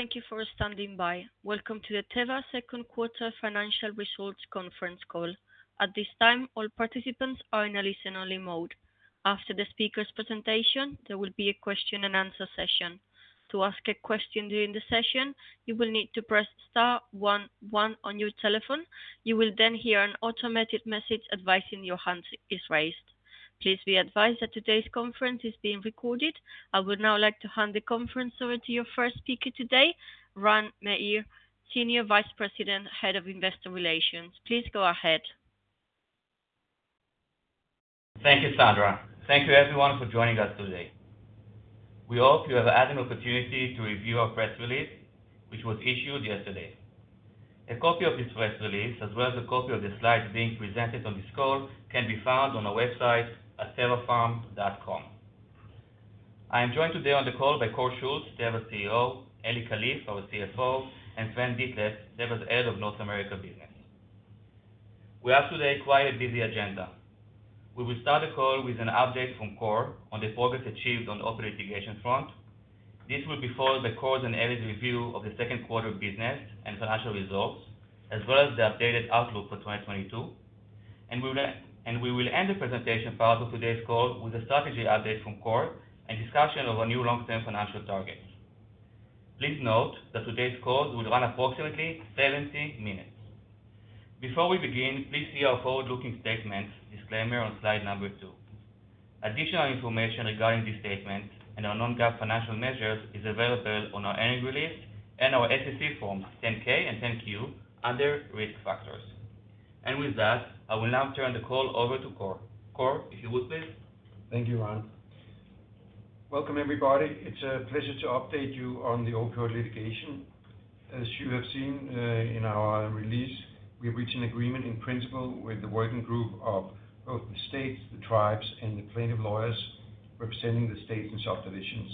Thank you for standing by. Welcome to the Teva Second Quarter Financial Results Conference Call. At this time, all participants are in a listen-only mode. After the speaker's presentation, there will be a question-and-answer session. To ask a question during the session, you will need to press star one one on your telephone. You will then hear an automated message advising your hand is raised. Please be advised that today's conference is being recorded. I would now like to hand the conference over to your first speaker today, Ran Meir, Senior Vice President, Head of Investor Relations. Please go ahead. Thank you, Sandra. Thank you everyone for joining us today. We hope you have had an opportunity to review our press release, which was issued yesterday. A copy of this press release, as well as a copy of the slides being presented on this call, can be found on our website at tevapharm.com. I am joined today on the call by Kåre Schultz, Teva's CEO, Eli Kalif, our CFO, and Sven Dethlefs, Teva's Head of North America Business. We have today quite a busy agenda. We will start the call with an update from Kåre on the progress achieved on opioid litigation front. This will be followed by Kåre's and Eli's review of the second quarter business and financial results, as well as the updated outlook for 2022. We will end the presentation part of today's call with a strategy update from Kåre and discussion of our new long-term financial targets. Please note that today's call will run approximately 70 minutes. Before we begin, please see our forward-looking statements disclaimer on slide number two. Additional information regarding this statement and our non-GAAP financial measures is available on our earnings release and our SEC forms 10-K and 10-Q under Risk Factors. With that, I will now turn the call over to Kåre. Kåre, if you would, please. Thank you, Ran. Welcome, everybody. It's a pleasure to update you on the opioid litigation. As you have seen in our release, we've reached an agreement in principle with the working group of both the states, the tribes, and the plaintiff lawyers representing the states and subdivisions,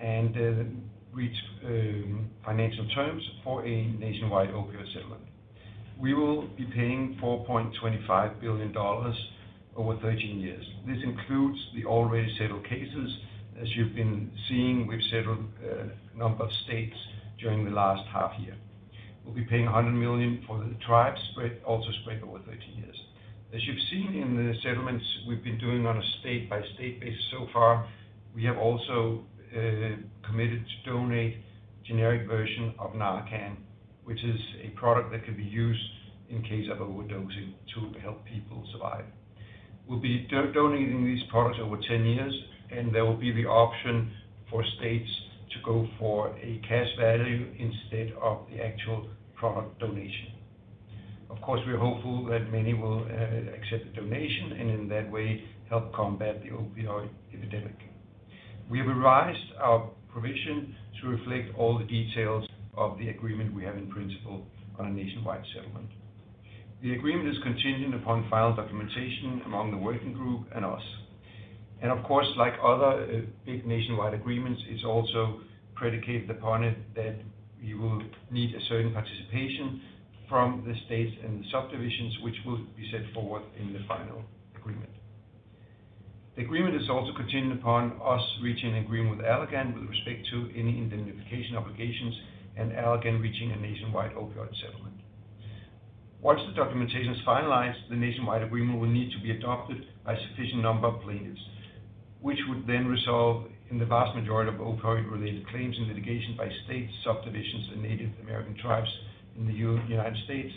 and reached financial terms for a nationwide opioid settlement. We will be paying $4.25 billion over 13 years. This includes the already settled cases. As you've been seeing, we've settled a number of states during the last half year. We'll be paying $100 million for the tribes spread, also spread over 13 years. As you've seen in the settlements we've been doing on a state-by-state basis so far, we have also committed to donate generic version of Narcan, which is a product that can be used in case of overdosing to help people survive. We'll be donating these products over 10 years, and there will be the option for states to go for a cash value instead of the actual product donation. Of course, we are hopeful that many will accept the donation and in that way help combat the opioid epidemic. We have revised our provision to reflect all the details of the agreement we have in principle on a nationwide settlement. The agreement is contingent upon final documentation among the working group and us. Of course, like other big nationwide agreements, it's also predicated upon it that we will need a certain participation from the states and the subdivisions which will be set forward in the final agreement. The agreement is also contingent upon us reaching an agreement with Allergan with respect to any indemnification obligations and Allergan reaching a nationwide opioid settlement. Once the documentation is finalized, the nationwide agreement will need to be adopted by sufficient number of plaintiffs, which would then result in the vast majority of opioid-related claims and litigation by states, subdivisions, and Native American tribes in the United States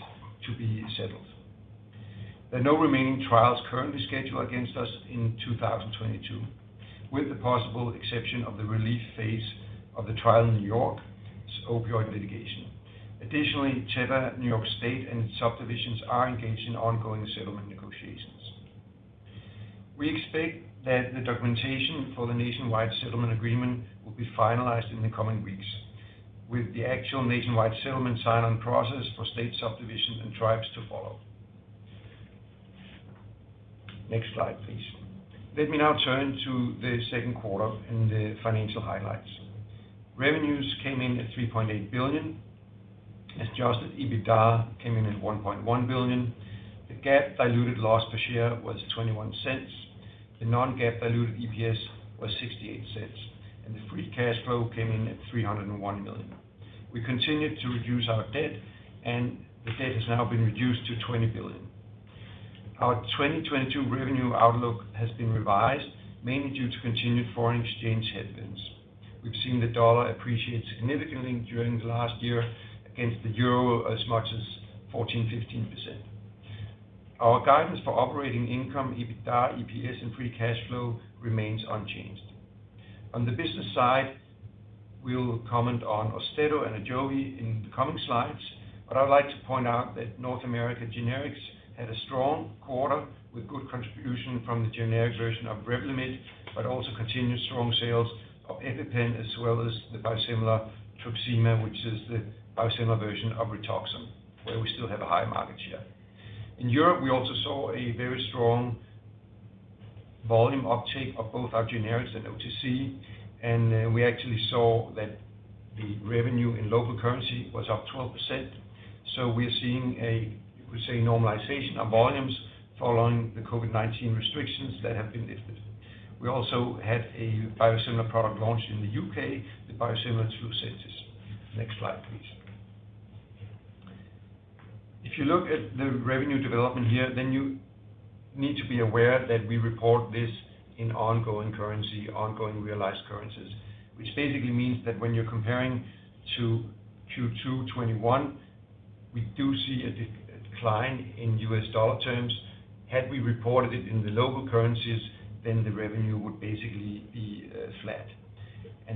to be settled. There are no remaining trials currently scheduled against us in 2022, with the possible exception of the relief phase of the trial in New York's opioid litigation. Additionally, Teva, New York State and its subdivisions are engaged in ongoing settlement negotiations. We expect that the documentation for the nationwide settlement agreement will be finalized in the coming weeks, with the actual nationwide settlement sign on process for state subdivisions and tribes to follow. Next slide, please. Let me now turn to the second quarter and the financial highlights. Revenues came in at $3.8 billion. Adjusted EBITDA came in at $1.1 billion. The GAAP diluted loss per share was $0.21. The non-GAAP diluted EPS was $0.68. The free cash flow came in at $301 million. We continued to reduce our debt, and the debt has now been reduced to $20 billion. Our 2022 revenue outlook has been revised, mainly due to continued foreign exchange headwinds. We've seen the dollar appreciate significantly during the last year against the euro as much as 14%-15%. Our guidance for operating income, EBITDA, EPS, and free cash flow remains unchanged. On the business side, we will comment on AUSTEDO and AJOVY in the coming slides, but I would like to point out that North America Generics had a strong quarter with good contribution from the generic version of Revlimid, but also continued strong sales of EpiPen as well as the biosimilar Truxima, which is the biosimilar version of Rituxan, where we still have a high market share. In Europe, we also saw a very strong volume uptake of both our generics and OTC, and we actually saw that the revenue in local currency was up 12%. We're seeing a, you could say, normalization of volumes following the COVID-19 restrictions that have been lifted. We also had a biosimilar product launch in the U.K., the biosimilar Lucentis. Next slide, please. If you look at the revenue development here, then you need to be aware that we report this in ongoing currency, ongoing realized currencies. Which basically means that when you're comparing to Q2 2021, we do see a decline in U.S. Dollar terms. Had we reported it in the local currencies, then the revenue would basically be flat.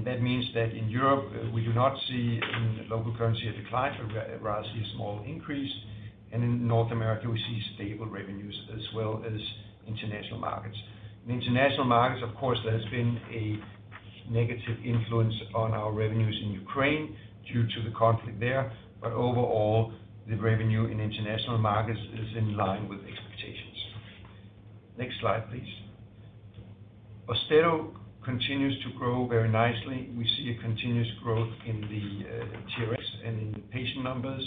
That means that in Europe, we do not see in local currency a decline, but rather see a small increase. In North America, we see stable revenues as well as international markets. In international markets, of course, there has been a negative influence on our revenues in Ukraine due to the conflict there. Overall, the revenue in international markets is in line with expectations. Next slide, please. AUSTEDO continues to grow very nicely. We see a continuous growth in the TRx and in the patient numbers.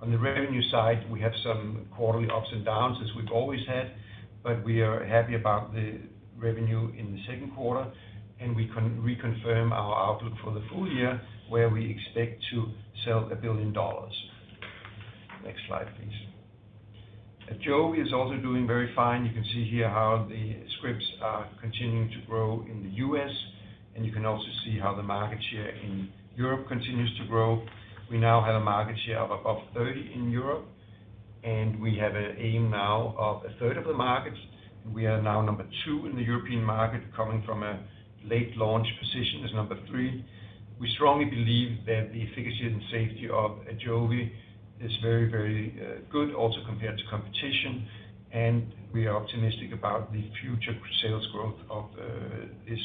On the revenue side, we have some quarterly ups and downs as we've always had, but we are happy about the revenue in the second quarter, and we reconfirm our outlook for the full year, where we expect to sell $1 billion. Next slide, please. AJOVY is also doing very fine. You can see here how the scripts are continuing to grow in the U.S., and you can also see how the market share in Europe continues to grow. We now have a market share of above 30% in Europe, and we have an aim now of a third of the market. We are now number two in the European market, coming from a late launch position as number three. We strongly believe that the efficacy and safety of AJOVY is very good also compared to competition, and we are optimistic about the future sales growth of this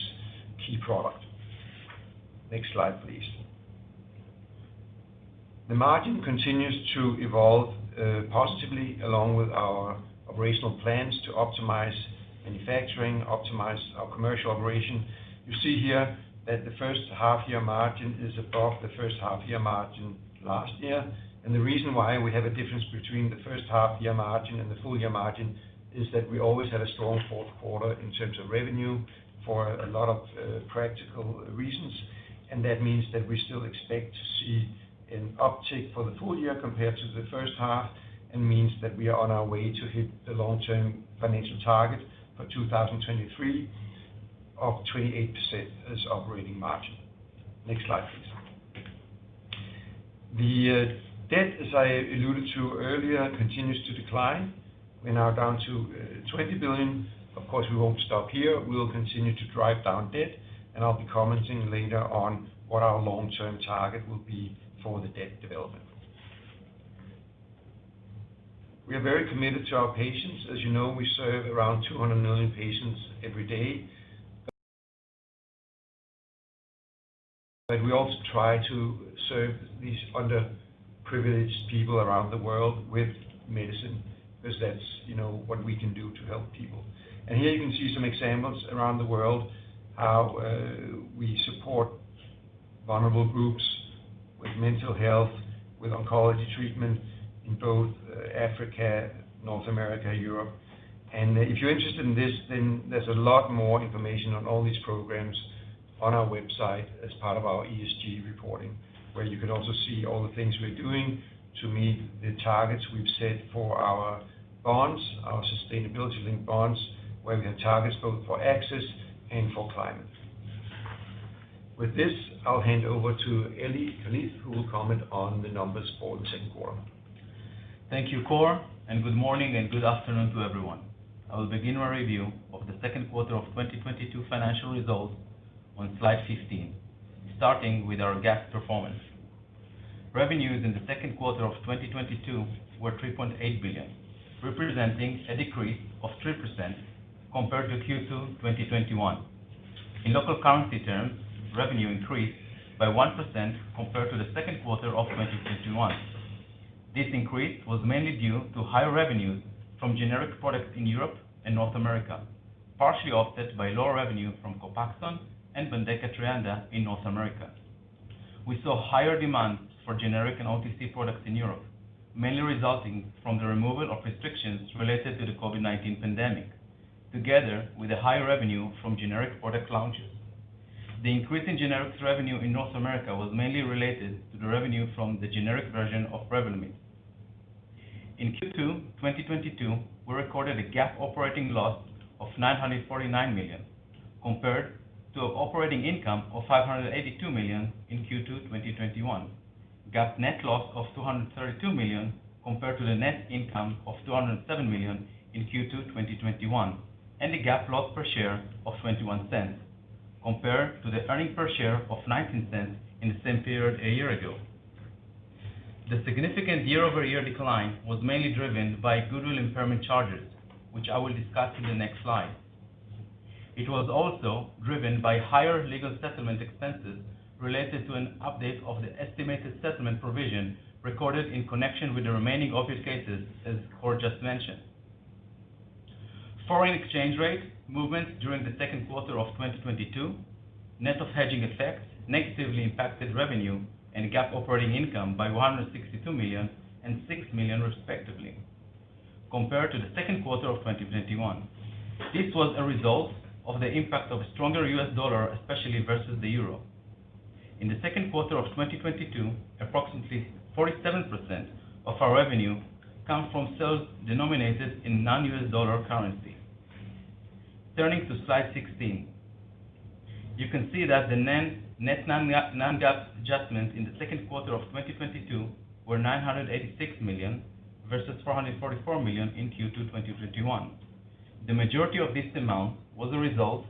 key product. Next slide, please. The margin continues to evolve positively along with our operational plans to optimize manufacturing, optimize our commercial operation. You see here that the first half year margin is above the first half year margin last year. The reason why we have a difference between the first half year margin and the full year margin is that we always have a strong fourth quarter in terms of revenue for a lot of practical reasons. That means that we still expect to see an uptick for the full year compared to the first half and means that we are on our way to hit the long-term financial target for 2023 of 28% as operating margin. Next slide, please. The debt, as I alluded to earlier, continues to decline. We're now down to $20 billion. Of course, we won't stop here. We will continue to drive down debt, and I'll be commenting later on what our long-term target will be for the debt development. We are very committed to our patients. As you know, we serve around 200 million patients every day. But we also try to serve these underprivileged people around the world with medicine 'cause that's, you know, what we can do to help people. Here you can see some examples around the world how we support vulnerable groups with mental health, with oncology treatment in both Africa, North America, Europe. If you're interested in this, then there's a lot more information on all these programs on our website as part of our ESG reporting, where you can also see all the things we're doing to meet the targets we've set for our bonds, our sustainability-linked bonds, where we have targets both for access and for climate. With this, I'll hand over to Eli Kalif, who will comment on the numbers for the second quarter. Thank you, Kåre, and good morning and good afternoon to everyone. I will begin my review of the second quarter of 2022 financial results on slide 15, starting with our GAAP performance. Revenues in the second quarter of 2022 were $3.8 billion, representing a decrease of 3% compared to Q2 2021. In local currency terms, revenue increased by 1% compared to the second quarter of 2021. This increase was mainly due to higher revenues from generic products in Europe and North America, partially offset by lower revenue from COPAXONE and BENDEKA and TREANDA in North America. We saw higher demand for generic and OTC products in Europe, mainly resulting from the removal of restrictions related to the COVID-19 pandemic, together with a higher revenue from generic product launches. The increase in generics revenue in North America was mainly related to the revenue from the generic version of Revlimid. In Q2 2022, we recorded a GAAP operating loss of $949 million compared to operating income of $582 million in Q2 2021. GAAP net loss of $232 million compared to the net income of $207 million in Q2 2021, and a GAAP loss per share of $0.21 compared to the earnings per share of $0.19 in the same period a year ago. The significant year-over-year decline was mainly driven by goodwill impairment charges, which I will discuss in the next slide. It was also driven by higher legal settlement expenses related to an update of the estimated settlement provision recorded in connection with the remaining opiate cases, as Kåre just mentioned. Foreign exchange rate movement during the second quarter of 2022, net of hedging effects negatively impacted revenue and GAAP operating income by $162 million and $6 million respectively. Compared to the second quarter of 2021. This was a result of the impact of stronger U.S. dollar, especially versus the euro. In the second quarter of 2022, approximately 47% of our revenue come from sales denominated in non-U.S. dollar currency. Turning to slide 16. You can see that the net non-GAAP adjustments in the second quarter of 2022 were $986 million versus $444 million in Q2 2021. The majority of this amount was a result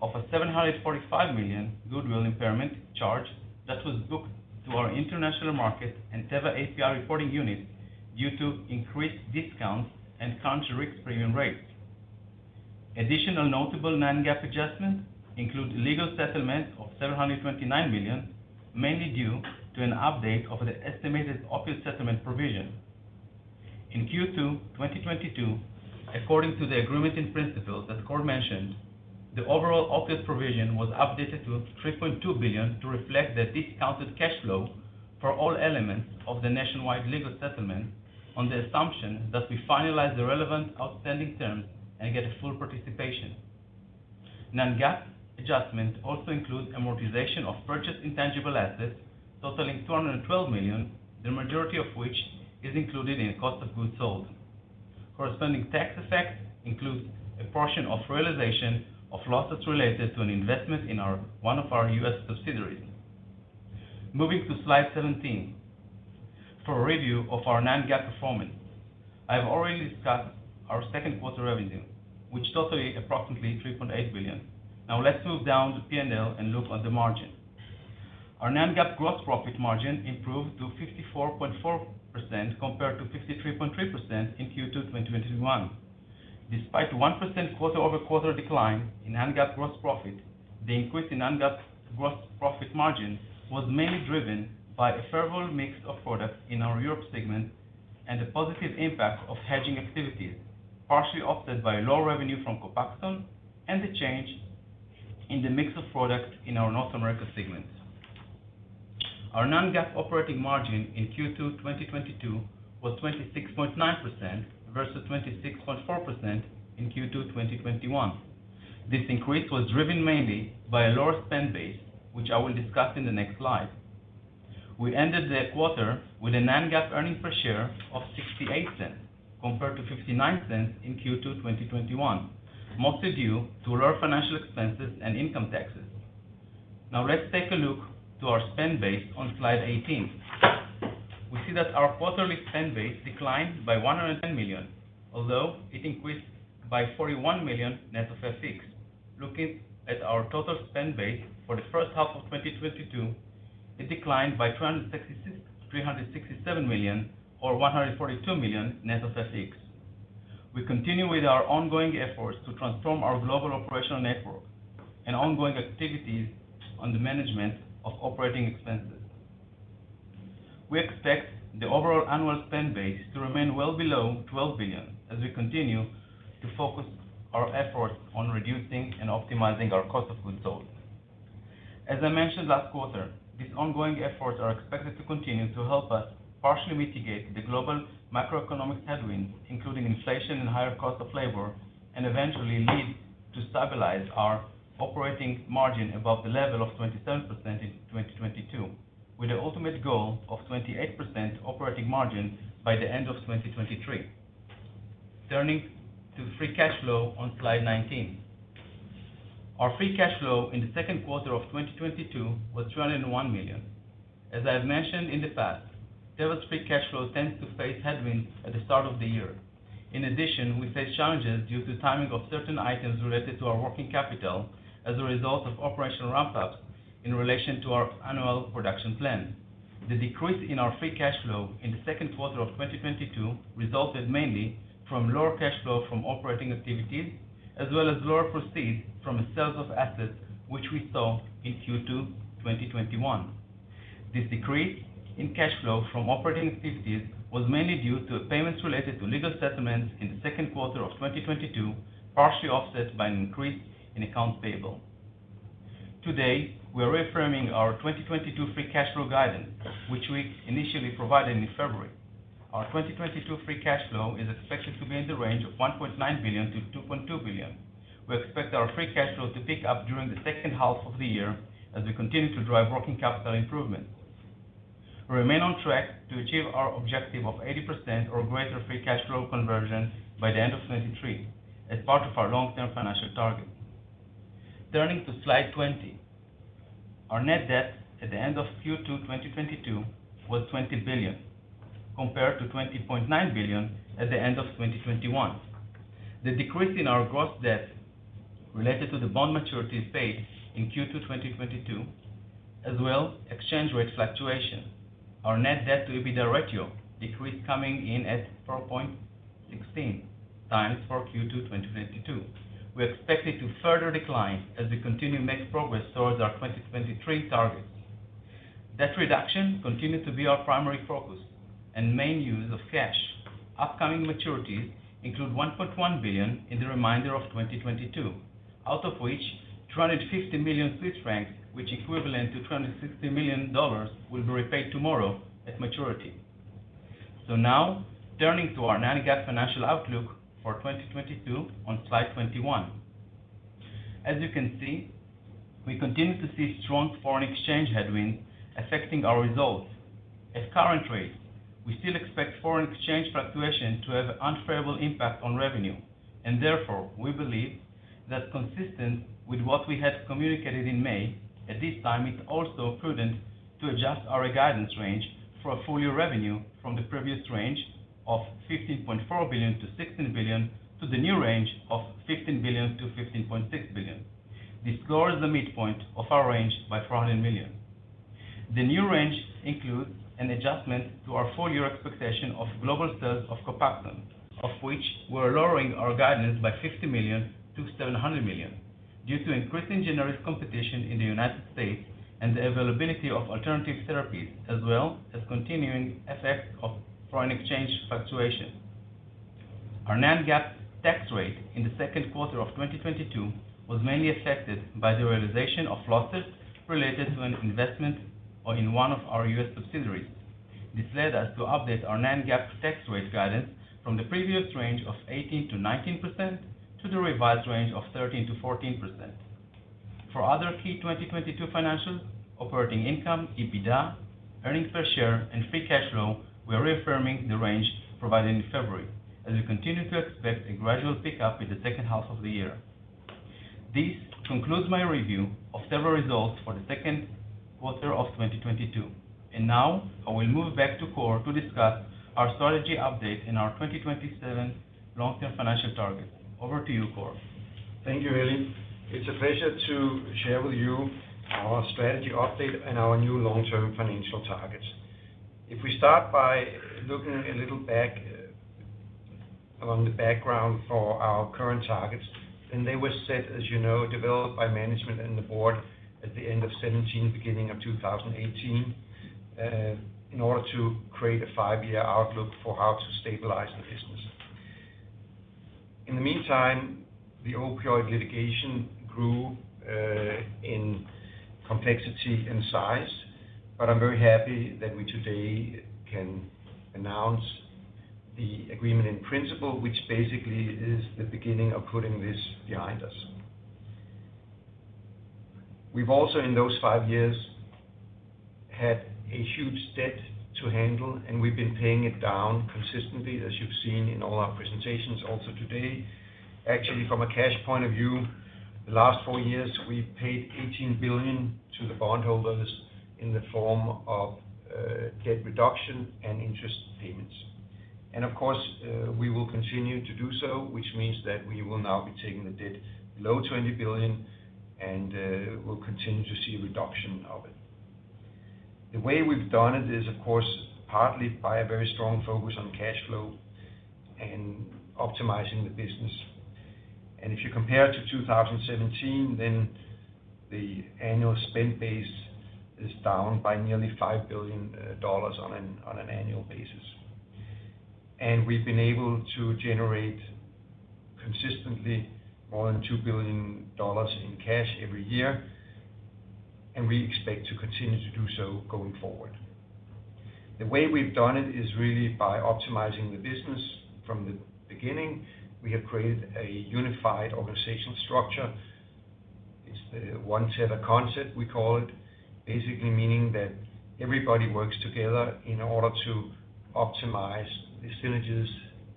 of a $745 million goodwill impairment charge that was booked to our international market and Teva API reporting units due to increased discounts and country risk premium rates. Additional notable non-GAAP adjustments include legal settlements of $729 million, mainly due to an update of the estimated opiate settlement provision. In Q2 2022, according to the agreement in principle that Kåre mentioned, the overall opiate provision was updated to $3.2 billion to reflect the discounted cash flow for all elements of the nationwide legal settlement on the assumption that we finalize the relevant outstanding terms and get a full participation. Non-GAAP adjustments also include amortization of purchase intangible assets totaling $212 million, the majority of which is included in cost of goods sold. Corresponding tax effects includes a portion of realization of losses related to an investment in one of our U.S. subsidiaries. Moving to slide 17, for a review of our non-GAAP performance. I have already discussed our second quarter revenue, which totaled approximately $3.8 billion. Now let's move down the P&L and look at the margin. Our non-GAAP gross profit margin improved to 54.4% compared to 53.3% in Q2 2021. Despite 1% quarter-over-quarter decline in non-GAAP gross profit, the increase in non-GAAP gross profit margin was mainly driven by a favorable mix of products in our Europe segment and the positive impact of hedging activities, partially offset by lower revenue from COPAXONE and the change in the mix of products in our North America segments. Our non-GAAP operating margin in Q2 2022 was 26.9% versus 26.4% in Q2 2021. This increase was driven mainly by a lower spend base, which I will discuss in the next slide. We ended the quarter with a non-GAAP earnings per share of $0.68 compared to $0.59 in Q2 2021, mostly due to lower financial expenses and income taxes. Now let's take a look at our spend base on slide 18. We see that our quarterly spend base declined by $110 million, although it increased by $41 million net of FX. Looking at our total spend base for the first half of 2022, it declined by $367 million or $142 million net of FX. We continue with our ongoing efforts to transform our global operational network and ongoing activities on the management of operating expenses. We expect the overall annual spend base to remain well below $12 billion as we continue to focus our efforts on reducing and optimizing our cost of goods sold. As I mentioned last quarter, these ongoing efforts are expected to continue to help us partially mitigate the global macroeconomic headwinds, including inflation and higher costs of labor, and eventually lead to stabilize our operating margin above the level of 27% in 2022, with the ultimate goal of 28% operating margin by the end of 2023. Turning to free cash flow on slide 19. Our free cash flow in the second quarter of 2022 was $301 million. As I have mentioned in the past, Teva's free cash flow tends to face headwinds at the start of the year. In addition, we face challenges due to timing of certain items related to our working capital as a result of operational ramp-ups in relation to our annual production plan. The decrease in our free cash flow in the second quarter of 2022 resulted mainly from lower cash flow from operating activities, as well as lower proceeds from sales of assets, which we saw in Q2 2021. This decrease in cash flow from operating activities was mainly due to payments related to legal settlements in the second quarter of 2022, partially offset by an increase in accounts payable. Today, we are reaffirming our 2022 free cash flow guidance, which we initially provided in February. Our 2022 free cash flow is expected to be in the range of $1.9 billion-$2.2 billion. We expect our free cash flow to pick up during the second half of the year as we continue to drive working capital improvements. We remain on track to achieve our objective of 80% or greater free cash flow conversion by the end of 2023 as part of our long-term financial target. Turning to slide 20. Our net debt at the end of Q2 2022 was $20 billion, compared to $20.9 billion at the end of 2021. The decrease in our gross debt related to the bond maturities paid in Q2 2022, as well as exchange rate fluctuation. Our net debt to EBITDA ratio decreased, coming in at 4.16x for Q2 2022. We expect it to further decline as we continue to make progress towards our 2023 targets. Debt reduction continues to be our primary focus and main use of cash. Upcoming maturities include $1.1 billion in the remainder of 2022. Out of which, 250 million Swiss francs, which equivalent to $260 million, will be repaid tomorrow at maturity. Now turning to our non-GAAP financial outlook for 2022 on slide 21. As you can see, we continue to see strong foreign exchange headwinds affecting our results. At current rates, we still expect foreign exchange fluctuation to have unfavorable impact on revenue and therefore, we believe that consistent with what we had communicated in May, at this time, it's also prudent to adjust our guidance range for full year revenue from the previous range of $15.4 billion-$16 billion, to the new range of $15 billion-$15.6 billion. This lowers the midpoint of our range by $400 million. The new range includes an adjustment to our full year expectation of global sales of COPAXONE, of which we're lowering our guidance by $50 million-$700 million, due to increasing generic competition in the United States and the availability of alternative therapies, as well as continuing effects of foreign exchange fluctuation. Our non-GAAP tax rate in the second quarter of 2022 was mainly affected by the realization of losses related to an investment or in one of our U.S. subsidiaries. This led us to update our non-GAAP tax rate guidance from the previous range of 18%-19% to the revised range of 13%-14%. For other key 2022 financials, operating income, EBITDA, earnings per share and free cash flow, we are reaffirming the range provided in February as we continue to expect a gradual pickup in the second half of the year. This concludes my review of several results for the second quarter of 2022. Now I will move back to Kåre to discuss our strategy update and our 2027 long-term financial targets. Over to you, Kåre. Thank you, Eli. It's a pleasure to share with you our strategy update and our new long-term financial targets. If we start by looking a little back along the background for our current targets, then they were set, as you know, developed by management and the board at the end of 2017, beginning of 2018, in order to create a five-year outlook for how to stabilize the business. In the meantime, the opioid litigation grew in complexity and size. I'm very happy that we today can announce the agreement in principle, which basically is the beginning of putting this behind us. We've also, in those five years, had a huge debt to handle, and we've been paying it down consistently, as you've seen in all our presentations also today. Actually, from a cash point of view, the last four years, we've paid $18 billion to the bond holders in the form of debt reduction and interest payments. Of course, we will continue to do so, which means that we will now be taking the debt below $20 billion, and we'll continue to see a reduction of it. The way we've done it is of course, partly by a very strong focus on cash flow and optimizing the business. If you compare to 2017, then the annual spend base is down by nearly $5 billion on an annual basis. We've been able to generate consistently more than $2 billion in cash every year, and we expect to continue to do so going forward. The way we've done it is really by optimizing the business from the beginning. We have created a unified organizational structure. It's the One Teva concept we call it, basically meaning that everybody works together in order to optimize the synergies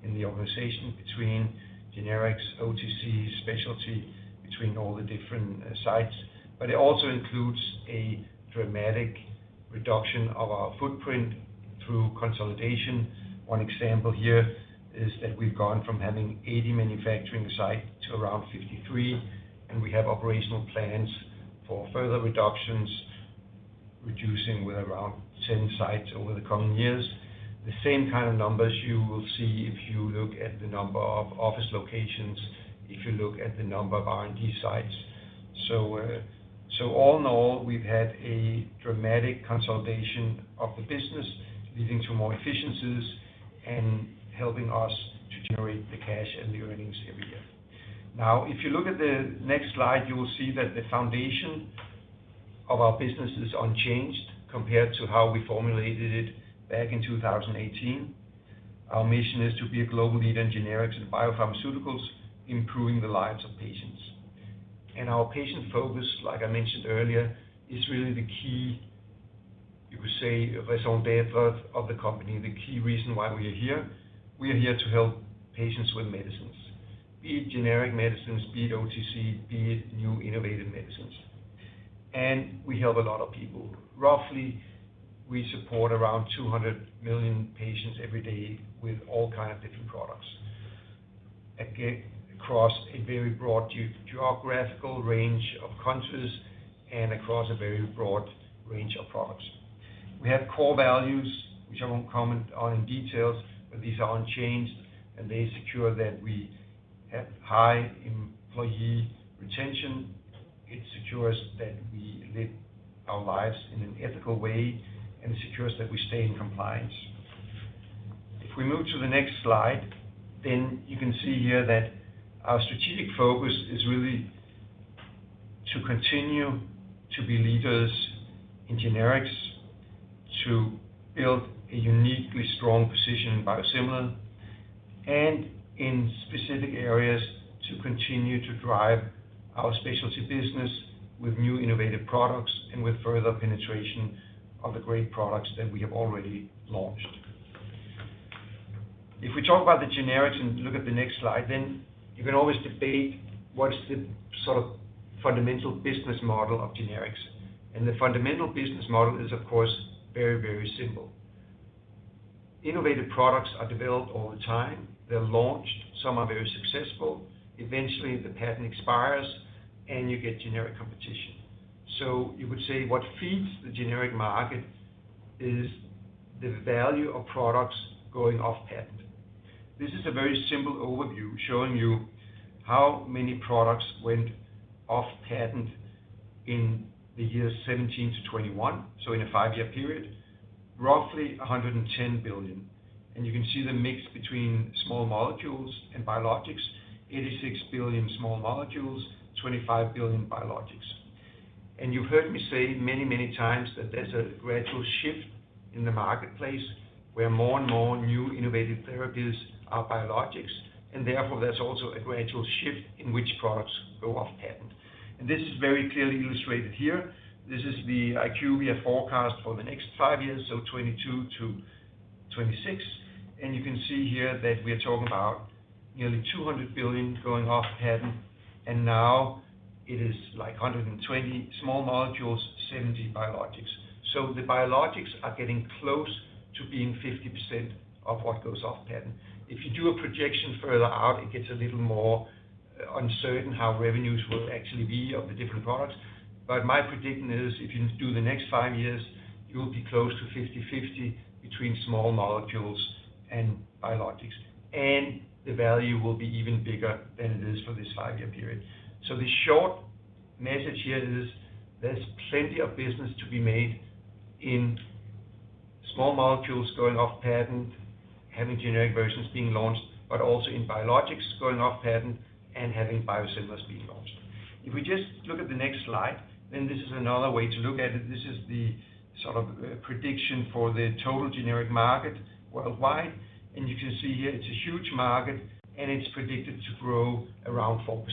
in the organization between generics, OTC, specialty, between all the different sites. It also includes a dramatic reduction of our footprint through consolidation. One example here is that we've gone from having 80 manufacturing sites to around 53, and we have operational plans for further reductions, reducing with around 10 sites over the coming years. The same kind of numbers you will see if you look at the number of office locations, if you look at the number of R&D sites. All in all, we've had a dramatic consolidation of the business leading to more efficiencies and helping us to generate the cash and the earnings every year. Now, if you look at the next slide, you will see that the foundation of our business is unchanged compared to how we formulated it back in 2018. Our mission is to be a global leader in generics and biopharmaceuticals, improving the lives of patients. Our patient focus, like I mentioned earlier, is really the key, you could say, raison d'être of the company, the key reason why we are here. We are here to help patients with medicines, be it generic medicines, be it OTC, be it new innovative medicines. We help a lot of people. Roughly, we support around 200 million patients every day with all kinds of different products. Across a very broad geographical range of countries and across a very broad range of products. We have core values, which I won't comment on in detail, but these are unchanged, and they secure that we have high employee retention. It secures that we live our lives in an ethical way and secures that we stay in compliance. If we move to the next slide, you can see here that our strategic focus is really to continue to be leaders in generics, to build a uniquely strong position in biosimilar and in specific areas to continue to drive our specialty business with new innovative products and with further penetration of the great products that we have already launched. If we talk about the generics and look at the next slide, you can always debate what is the sort of fundamental business model of generics. The fundamental business model is of course, very, very simple. Innovative products are developed all the time. They're launched, some are very successful. Eventually, the patent expires, and you get generic competition. You would say what feeds the generic market is the value of products going off patent. This is a very simple overview, showing you how many products went off patent in the years 2017-2021, so in a five-year period, roughly $110 billion. You can see the mix between small molecules and biologics. $86 billion small molecules, $25 billion biologics. You've heard me say many, many times that there's a gradual shift in the marketplace where more and more new innovative therapies are biologics, and therefore there's also a gradual shift in which products go off patent. This is very clearly illustrated here. This is the IQVIA we have forecast for the next five years, so 2022-2026. You can see here that we are talking about nearly $200 billion going off patent, and now it is like 120 small molecules, 70 biologics. The biologics are getting close to being 50% of what goes off patent. If you do a projection further out, it gets a little more uncertain how revenues will actually be of the different products. My prediction is, if you do the next five years, you'll be close to 50/50 between small molecules and biologics, and the value will be even bigger than it is for this five-year period. The short message here is there's plenty of business to be made in small molecules going off patent, having generic versions being launched, but also in biologics going off patent and having biosimilars being launched. If we just look at the next slide, then this is another way to look at it. This is the sort of prediction for the total generic market worldwide, and you can see here it's a huge market, and it's predicted to grow around 4%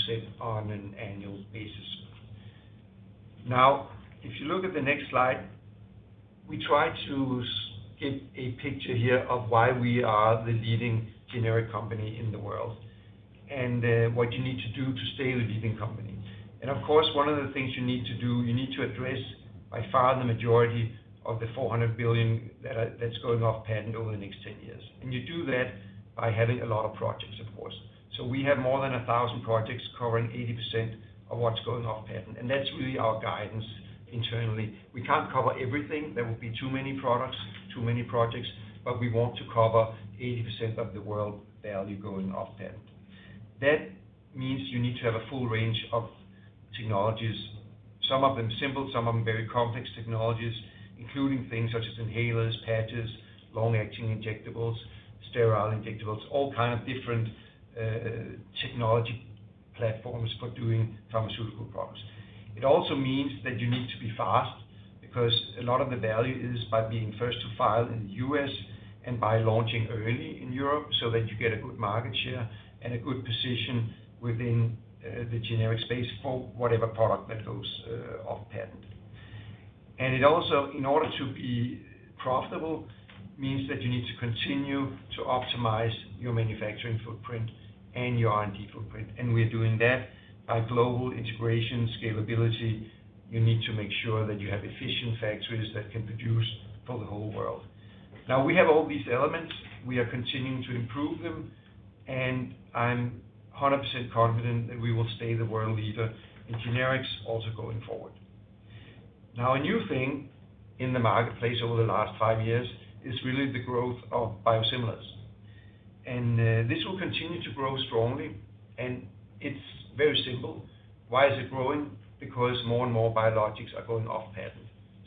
on an annual basis. Now, if you look at the next slide, we try to get a picture here of why we are the leading generic company in the world, and what you need to do to stay the leading company. Of course, one of the things you need to do, you need to address by far the majority of the $400 billion that's going off patent over the next 10 years. You do that by having a lot of projects of course. We have more than 1,000 projects covering 80% of what's going off patent. That's really our guidance internally. We can't cover everything. There will be too many products, too many projects, but we want to cover 80% of the world value going off patent. That means you need to have a full range of technologies. Some of them simple, some of them very complex technologies, including things such as inhalers, patches, long-acting injectables, sterile injectables, all kind of different technology platforms for doing pharmaceutical products. It also means that you need to be fast because a lot of the value is by being first to file in the U.S. and by launching early in Europe, so that you get a good market share and a good position within the generic space for whatever product that goes off patent. It also, in order to be profitable, means that you need to continue to optimize your manufacturing footprint and your R&D footprint. We are doing that by global integration scalability. You need to make sure that you have efficient factories that can produce for the whole world. Now, we have all these elements. We are continuing to improve them, and I'm 100% confident that we will stay the world leader in generics also going forward. Now, a new thing in the marketplace over the last five years is really the growth of biosimilars. This will continue to grow strongly, and it's very simple. Why is it growing? Because more and more biologics are going off patent.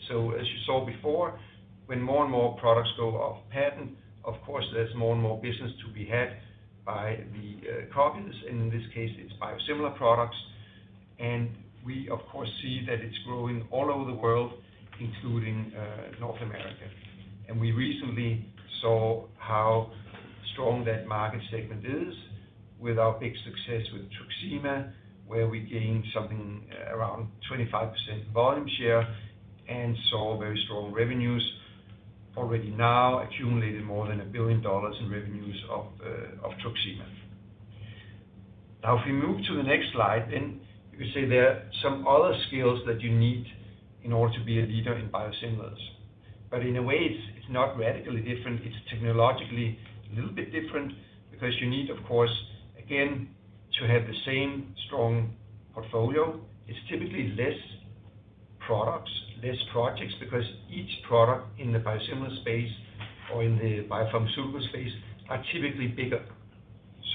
As you saw before, when more and more products go off patent, of course there's more and more business to be had by the copies, and in this case it's biosimilar products. We of course see that it's growing all over the world, including North America. We recently saw how strong that market segment is with our big success with Truxima, where we gained something around 25% volume share and saw very strong revenues already now accumulated more than $1 billion in revenues of Truxima. Now, if we move to the next slide, you could say there are some other skills that you need in order to be a leader in biosimilars. In a way it's not radically different. It's technologically a little bit different because you need, of course, again, to have the same strong portfolio. It's typically less products, less projects, because each product in the biosimilar space or in the biopharmaceutical space are typically bigger.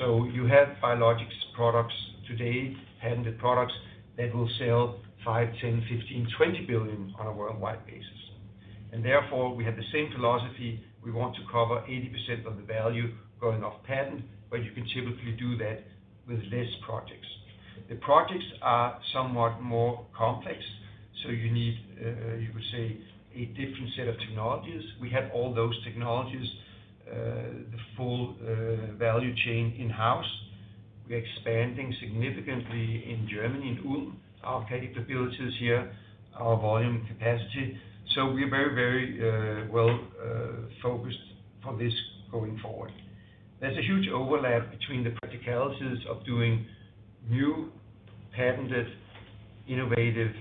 So you have biologics products today, patented products that will sell $5 billion, $10 billion, $15 billion, $20 billion on a worldwide basis. Therefore, we have the same philosophy. We want to cover 80% of the value going off patent, but you can typically do that with less projects. The projects are somewhat more complex, so you need you could say, a different set of technologies. We have all those technologies, the full value chain in-house. We're expanding significantly in Germany, in Ulm, our capabilities here, our volume capacity. We're very well focused for this going forward. There's a huge overlap between the practicalities of doing new patented, innovative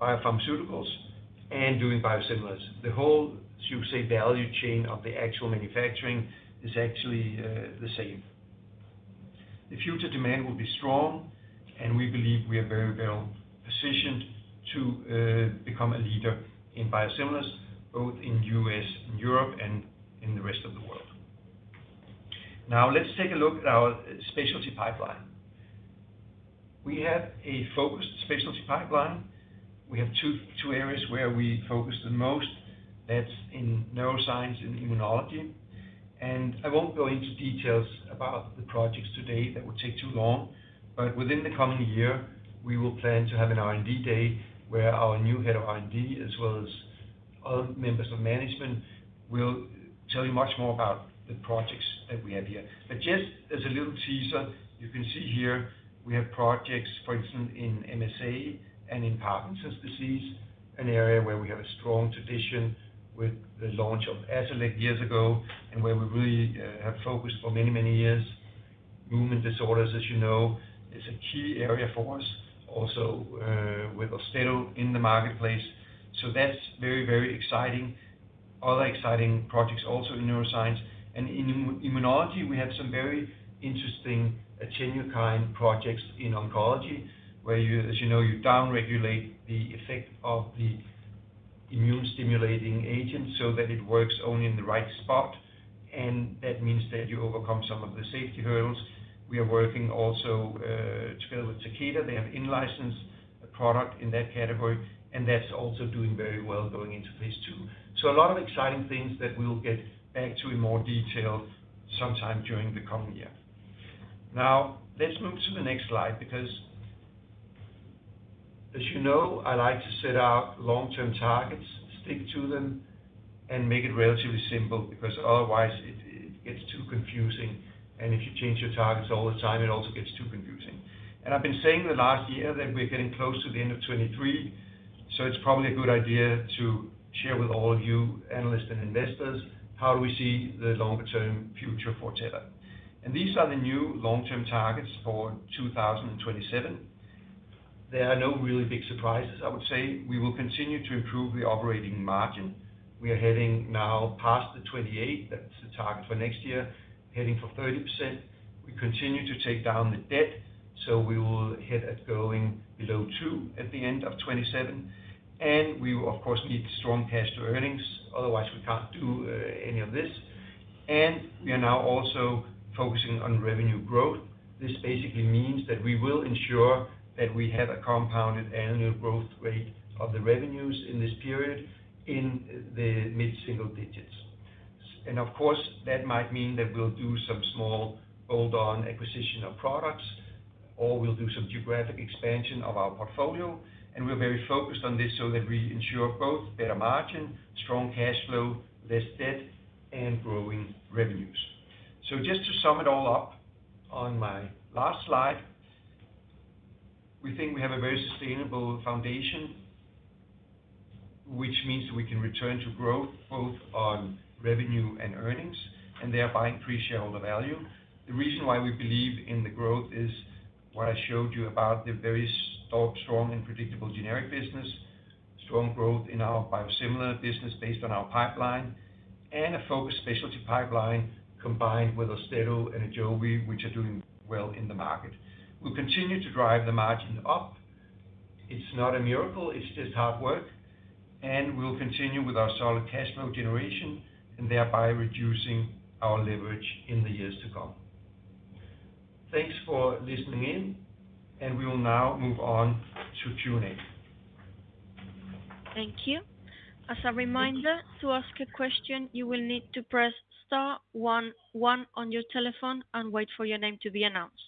biopharmaceuticals and doing biosimilars. The whole, should we say, value chain of the actual manufacturing is actually the same. The future demand will be strong, and we believe we are very well positioned to become a leader in biosimilars, both in U.S. and Europe and in the rest of the world. Now, let's take a look at our specialty pipeline. We have a focused specialty pipeline. We have two areas where we focus the most. That's in neuroscience and immunology. I won't go into details about the projects today, that would take too long. Within the coming year, we will plan to have an R&D day where our new head of R&D as well as other members of management will tell you much more about the projects that we have here. Just as a little teaser, you can see here we have projects, for instance, in MSA and in Parkinson's disease, an area where we have a strong tradition with the launch of Azilect years ago and where we really have focused for many, many years. Movement disorders, as you know, is a key area for us also with AUSTEDO in the marketplace. That's very, very exciting. Other exciting projects also in neuroscience and in immunology, we have some very interesting anti-PD-1 kind projects in oncology, where you, as you know, you down regulate the effect of the immune stimulating agent so that it works only in the right spot, and that means that you overcome some of the safety hurdles. We are working also together with Takeda. They have in-licensed a product in that category, and that's also doing very well going into phase two. So a lot of exciting things that we'll get back to in more detail sometime during the coming year. Now, let's move to the next slide because as you know, I like to set out long-term targets, stick to them and make it relatively simple, because otherwise it gets too confusing. If you change your targets all the time, it also gets too confusing. I've been saying the last year that we're getting close to the end of 2023, so it's probably a good idea to share with all of you analysts and investors how do we see the longer term future for Teva. These are the new long-term targets for 2027. There are no really big surprises, I would say. We will continue to improve the operating margin. We are heading now past the 28%. That's the target for next year, heading for 30%. We continue to take down the debt, so we will hit it going below two at the end of 2027, and we will of course need strong cash to earnings. Otherwise, we can't do any of this. We are now also focusing on revenue growth. This basically means that we will ensure that we have a compounded annual growth rate of the revenues in this period in the mid-single digits. Of course, that might mean that we'll do some small add on acquisition of products, or we'll do some geographic expansion of our portfolio, and we're very focused on this so that we ensure both better margin, strong cash flow, less debt and growing revenues. Just to sum it all up on my last slide, we think we have a very sustainable foundation, which means we can return to growth both on revenue and earnings, and thereby increase shareholder value. The reason why we believe in the growth is what I showed you about the very strong and predictable generic business, strong growth in our biosimilar business based on our pipeline and a focused specialty pipeline combined with AUSTEDO and AJOVY, which are doing well in the market. We'll continue to drive the margin up. It's not a miracle, it's just hard work, and we'll continue with our solid cash flow generation and thereby reducing our leverage in the years to come. Thanks for listening in, and we will now move on to Q&A. Thank you. As a reminder, to ask a question, you will need to press star one one on your telephone and wait for your name to be announced.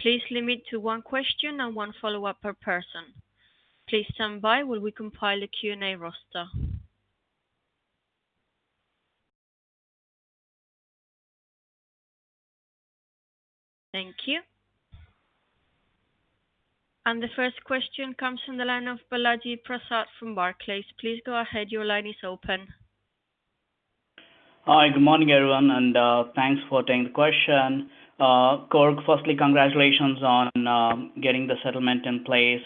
Please limit to one question and one follow up per person. Please stand by while we compile a Q&A roster. Thank you. The first question comes from the line of Balaji Prasad from Barclays. Please go ahead. Your line is open. Hi. Good morning, everyone, and thanks for taking the question. Kåre Schultz, firstly, congratulations on getting the settlement in place.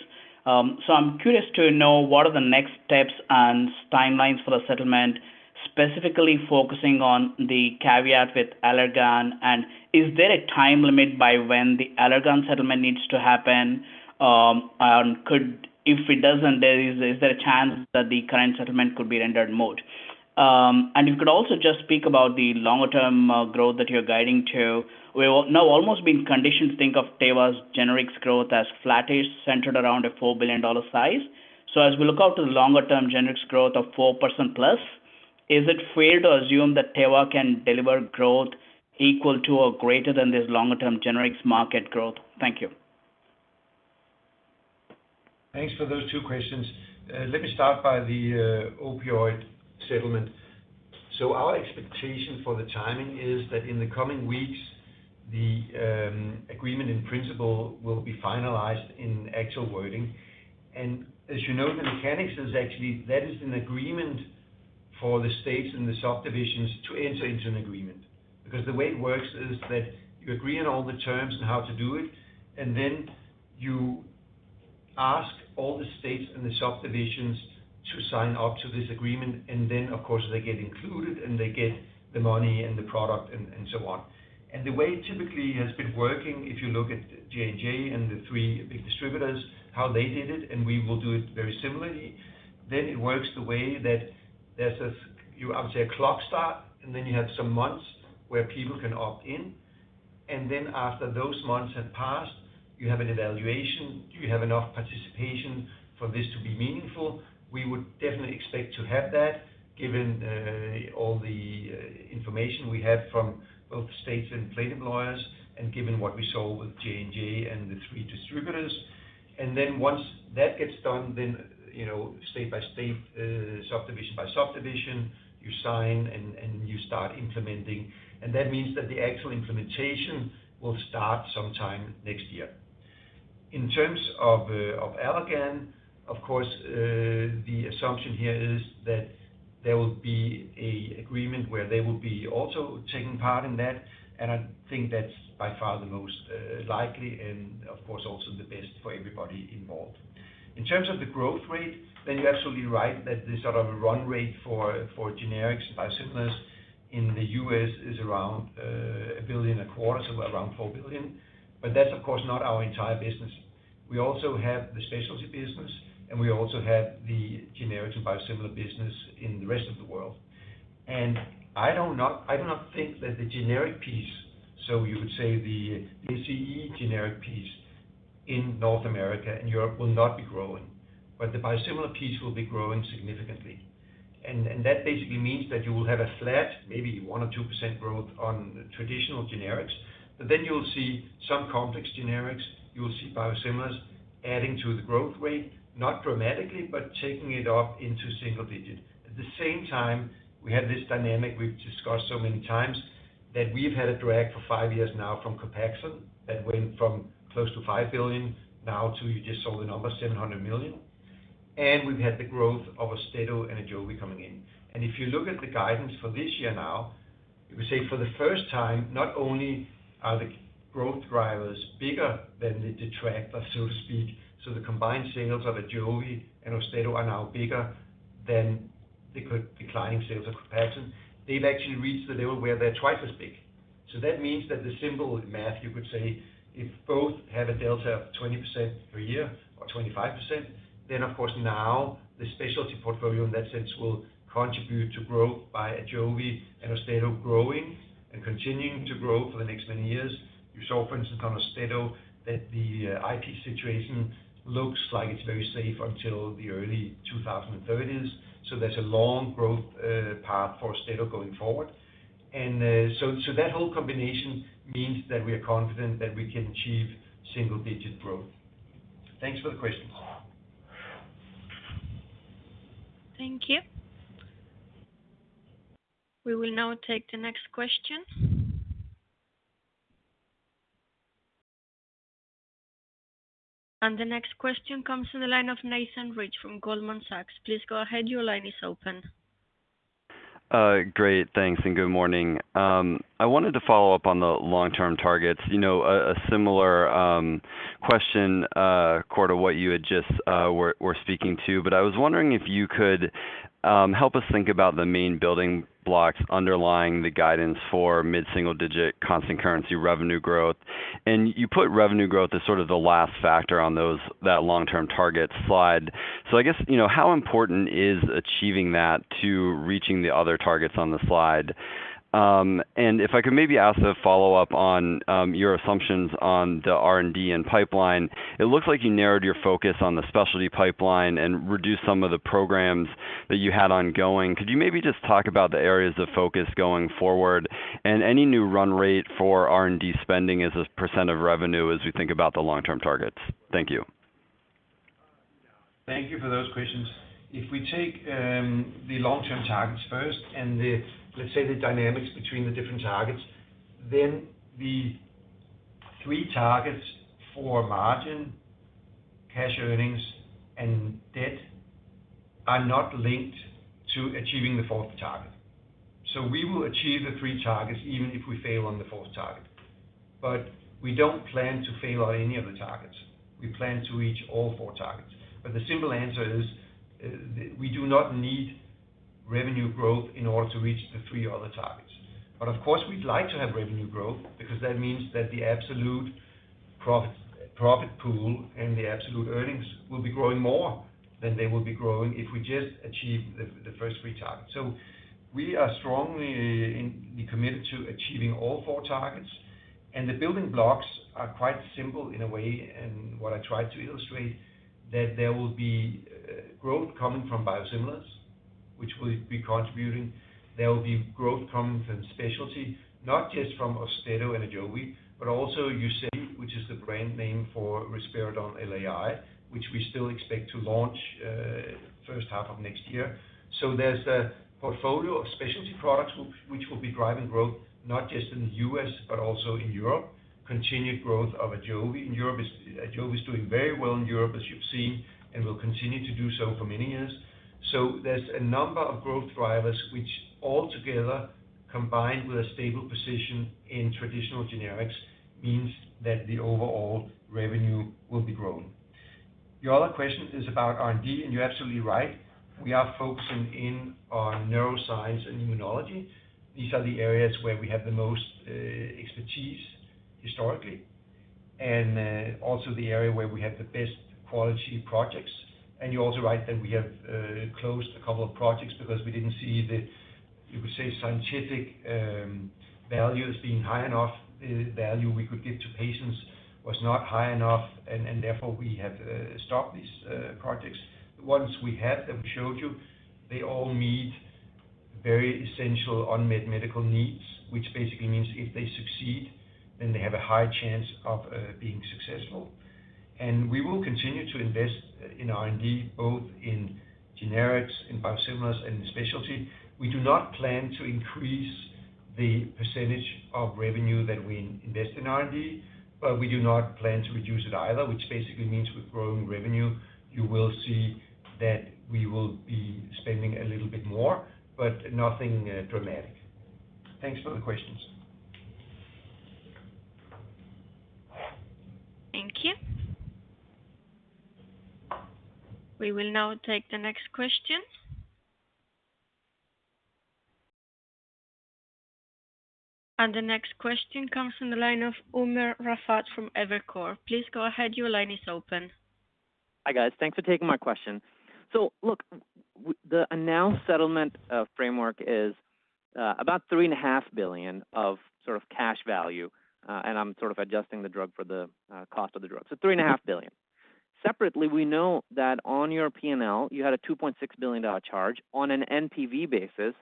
So I'm curious to know, what are the next steps and timelines for the settlement, specifically focusing on the caveat with Allergan, and is there a time limit by when the Allergan settlement needs to happen? And if it doesn't, is there a chance that the current settlement could be rendered moot? You could also just speak about the longer-term growth that you're guiding to. We've all now almost been conditioned to think of Teva's generics growth as flattish, centered around a $4 billion size. As we look out to the longer-term generics growth of 4%+, is it fair to assume that Teva can deliver growth equal to or greater than this longer-term generics market growth? Thank you. Thanks for those two questions. Let me start with the opioid settlement. Our expectation for the timing is that in the coming weeks, the agreement in principle will be finalized in actual wording. As you know, the mechanics is actually that is an agreement for the states and the subdivisions to enter into an agreement. Because the way it works is that you agree on all the terms and how to do it, and then you ask all the states and the subdivisions to sign up to this agreement. Of course, they get included, and they get the money and the product and so on. The way it typically has been working, if you look at J&J and the three big distributors, how they did it, and we will do it very similarly, then it works the way that you have, say, a clock start, and then you have some months where people can opt in. Then after those months have passed, you have an evaluation. Do you have enough participation for this to be meaningful? We would definitely expect to have that given all the information we have from both the states and plaintiff lawyers and given what we saw with J&J and the three distributors. Then once that gets done, you know, state by state, subdivision by subdivision, you sign, and you start implementing. That means that the actual implementation will start sometime next year. In terms of of Allergan, of course, the assumption here is that there will be a agreement where they will be also taking part in that. I think that's by far the most likely and of course, also the best for everybody involved. In terms of the growth rate, you're absolutely right that the sort of run rate for generics and biosimilars in the U.S. is around $1 billion a quarter, so around $4 billion. That's of course not our entire business. We also have the specialty business, and we also have the generic and biosimilar business in the rest of the world. I do not think that the generic piece, so you could say the CE generic piece in North America and Europe will not be growing, but the biosimilar piece will be growing significantly. That basically means that you will have a flat, maybe 1% or 2% growth on traditional generics, but then you'll see some complex generics. You will see biosimilars adding to the growth rate, not dramatically, but taking it up into single digit. At the same time, we have this dynamic we've discussed so many times that we've had a drag for five years now from COPAXONE that went from close to $5 billion now to, you just saw the number, $700 million. We've had the growth of AUSTEDO and AJOVY coming in. If you look at the guidance for this year now, you could say for the first time not only are the growth drivers bigger than the detractor, so to speak, so the combined sales of AJOVY and AUSTEDO are now bigger than the declining sales of COPAXONE. They've actually reached the level where they're twice as big. That means that the simple math, you could say if both have a delta of 20% per year or 25%, then of course now the specialty portfolio in that sense will contribute to growth by AJOVY and AUSTEDO growing and continuing to grow for the next many years. You saw, for instance, on AUSTEDO that the IP situation looks like it's very safe until the early 2030s. That's a long growth path for AUSTEDO going forward. That whole combination means that we are confident that we can achieve single-digit growth. Thanks for the questions. Thank you. We will now take the next question. The next question comes from the line of Nathan Rich from Goldman Sachs. Please go ahead. Your line is open. Great. Thanks, and good morning. I wanted to follow up on the long-term targets. You know, a similar question core to what you had just were speaking to. I was wondering if you could help us think about the main building blocks underlying the guidance for mid-single-digit constant currency revenue growth. You put revenue growth as sort of the last factor on those, that long-term target slide. I guess, you know, how important is achieving that to reaching the other targets on the slide? If I could maybe ask a follow-up on your assumptions on the R&D and pipeline. It looks like you narrowed your focus on the specialty pipeline and reduced some of the programs that you had ongoing. Could you maybe just talk about the areas of focus going forward and any new run rate for R&D spending as a percent of revenue as we think about the long-term targets? Thank you. Thank you for those questions. If we take the long-term targets first and the, let's say, the dynamics between the different targets, then the three targets for margin, cash earnings and debt are not linked to achieving the fourth target. We will achieve the three targets even if we fail on the fourth target. We don't plan to fail on any of the targets. We plan to reach all four targets. The simple answer is, we do not need revenue growth in order to reach the three other targets. Of course, we'd like to have revenue growth because that means that the absolute profit pool and the absolute earnings will be growing more than they will be growing if we just achieve the first three targets. We are strongly committed to achieving all four targets. The building blocks are quite simple in a way, and what I tried to illustrate that there will be growth coming from biosimilars, which will be contributing. There will be growth coming from specialty, not just from AUSTEDO and AJOVY, but also UZEDY, which is the brand name for risperidone LAI, which we still expect to launch first half of next year. There's a portfolio of specialty products which will be driving growth, not just in the U.S. but also in Europe. Continued growth of AJOVY in Europe. AJOVY is doing very well in Europe, as you've seen, and will continue to do so for many years. There's a number of growth drivers which all together, combined with a stable position in traditional generics, means that the overall revenue will be growing. Your other question is about R&D, and you're absolutely right. We are focusing in on neuroscience and immunology. These are the areas where we have the most expertise historically, and also the area where we have the best quality projects. You're also right that we have closed a couple of projects because we didn't see the, you could say, scientific values being high enough. Value we could give to patients was not high enough and therefore we have stopped these projects. The ones we have that we showed you, they all meet very essential unmet medical needs, which basically means if they succeed, then they have a high chance of being successful. We will continue to invest in R&D, both in generics, in biosimilars, and in specialty. We do not plan to increase the percentage of revenue that we invest in R&D, but we do not plan to reduce it either, which basically means with growing revenue, you will see that we will be spending a little bit more, but nothing, dramatic. Thanks for the questions. Thank you. We will now take the next question. The next question comes from the line of Umer Raffat from Evercore. Please go ahead. Your line is open. Hi, guys. Thanks for taking my question. Look, the announced settlement framework is about $3.5 billion of sort of cash value. I'm sort of adjusting for the cost of the drug. $3.5 billion. Separately, we know that on your P&L, you had a $2.6 billion charge on an NPV basis,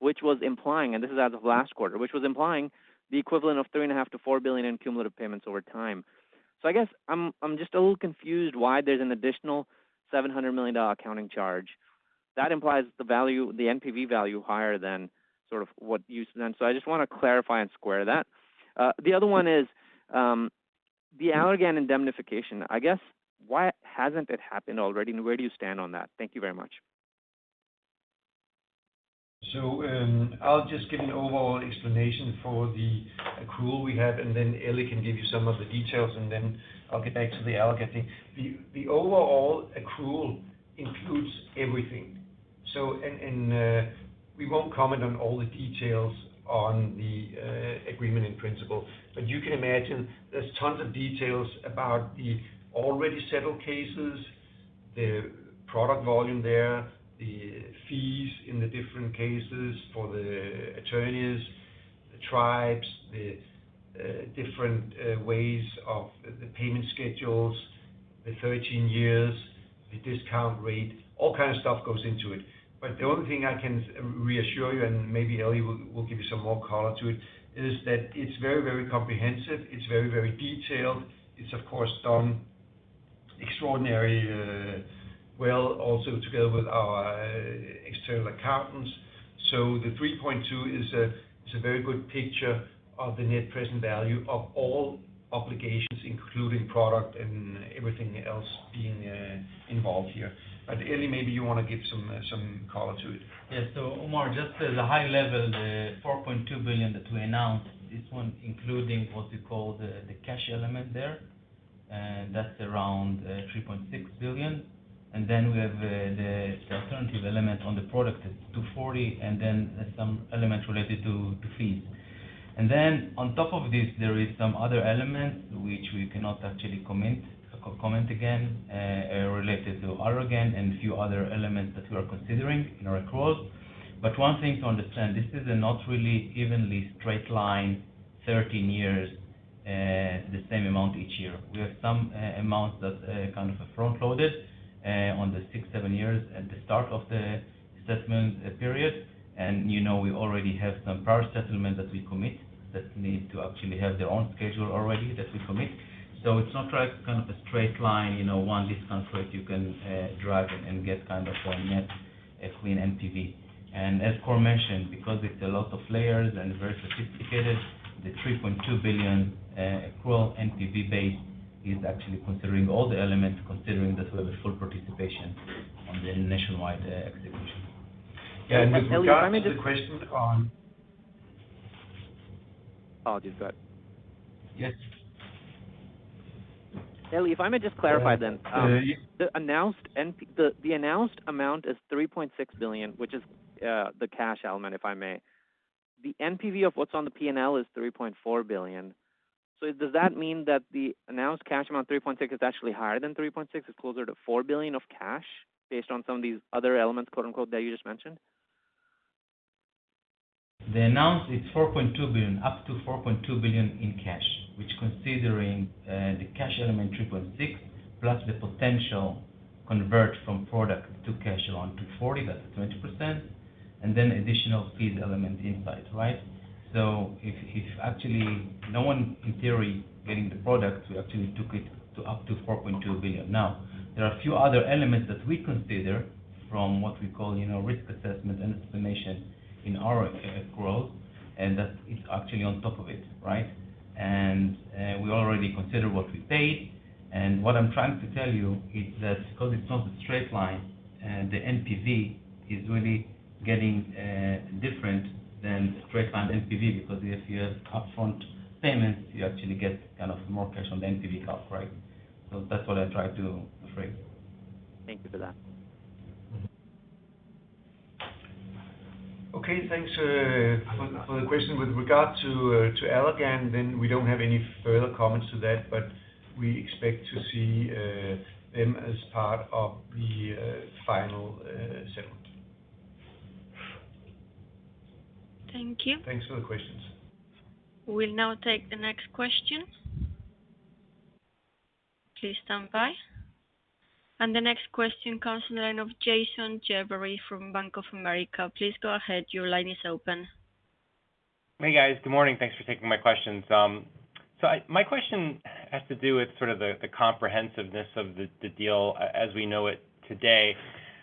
which was implying, and this is as of last quarter, which was implying the equivalent of $3.5 billion-$4 billion in cumulative payments over time. I guess I'm just a little confused why there's an additional $700 million accounting charge. That implies the NPV value higher than sort of what you said. I just wanna clarify and square that. The other one is the Allergan indemnification. I guess why hasn't it happened already and where do you stand on that? Thank you very much. I'll just give an overall explanation for the accrual we have, and then Eli can give you some of the details, and then I'll get back to the Allergan thing. The overall accrual includes everything. We won't comment on all the details on the agreement in principle, but you can imagine there's tons of details about the already settled cases, the product volume there, the fees in the different cases for the attorneys, the tribes, the different ways of the payment schedules, the 13 years, the discount rate, all kinds of stuff goes into it. The only thing I can reassure you, and maybe Eli will give you some more color to it, is that it's very, very comprehensive. It's very, very detailed. It's of course done extraordinary well also together with our external accountants. The 3.2 is a very good picture of the net present value of all obligations, including product and everything else being involved here. Eli, maybe you wanna give some some color to it. Yeah. Umer, just as a high level, $4.2 billion that we announced, this one including what we call the cash element there, that's around $3.6 billion. We have the alternative element on the product is $240 million, and then some elements related to fees. On top of this, there is some other elements which we cannot actually comment again, related to Allergan and a few other elements that we are considering in our accruals. One thing to understand, this is not really evenly straight line, 13 years, the same amount each year. We have some amount that kind of are front loaded on the six to seven years at the start of the assessment period. You know we already have some prior settlement that we commit that need to actually have their own schedule already that we commit. It's not like kind of a straight line, you know, one discount rate you can drive and get kind of a net, a clean NPV. As Kåre mentioned, because it's a lot of layers and very sophisticated, the $3.2 billion accrual NPV base is actually considering all the elements, considering that we have a full participation on the nationwide execution. Yeah. With regards to the question. Oh, I'll just go. Yes. Eli, if I may just clarify then. Please. The announced amount is $3.6 billion, which is the cash element, if I may. The NPV of what's on the P&L is $3.4 billion. Does that mean that the announced cash amount, $3.6, is actually higher than $3.6? It's closer to $4 billion of cash based on some of these other elements, quote-unquote, that you just mentioned? The announced is $4.2 billion, up to $4.2 billion in cash, which considering the cash element $3.6 billion, plus the potential convert from product to cash around $240 million, that's 20%. Then additional fees element inside, right? If actually no one in theory getting the product, we actually took it up to $4.2 billion. There are a few other elements that we consider from what we call risk assessment and estimation in our growth, and that is actually on top of it, right? We already consider what we paid. What I'm trying to tell you is that because it's not a straight line, the NPV is really getting different than the straight line NPV, because if you have upfront payments, you actually get kind of more cash on the NPV half, right? That's what I'm trying to phrase. Thank you for that. Mm-hmm. Okay. Thanks for the question. With regard to Allergan, we don't have any further comments to that, but we expect to see them as part of the final settlement. Thank you. Thanks for the questions. We'll now take the next question. Please stand by. The next question comes in from Jason Gerberry from Bank of America. Please go ahead. Your line is open. Hey, guys. Good morning. Thanks for taking my questions. My question has to do with sort of the comprehensiveness of the deal as we know it today.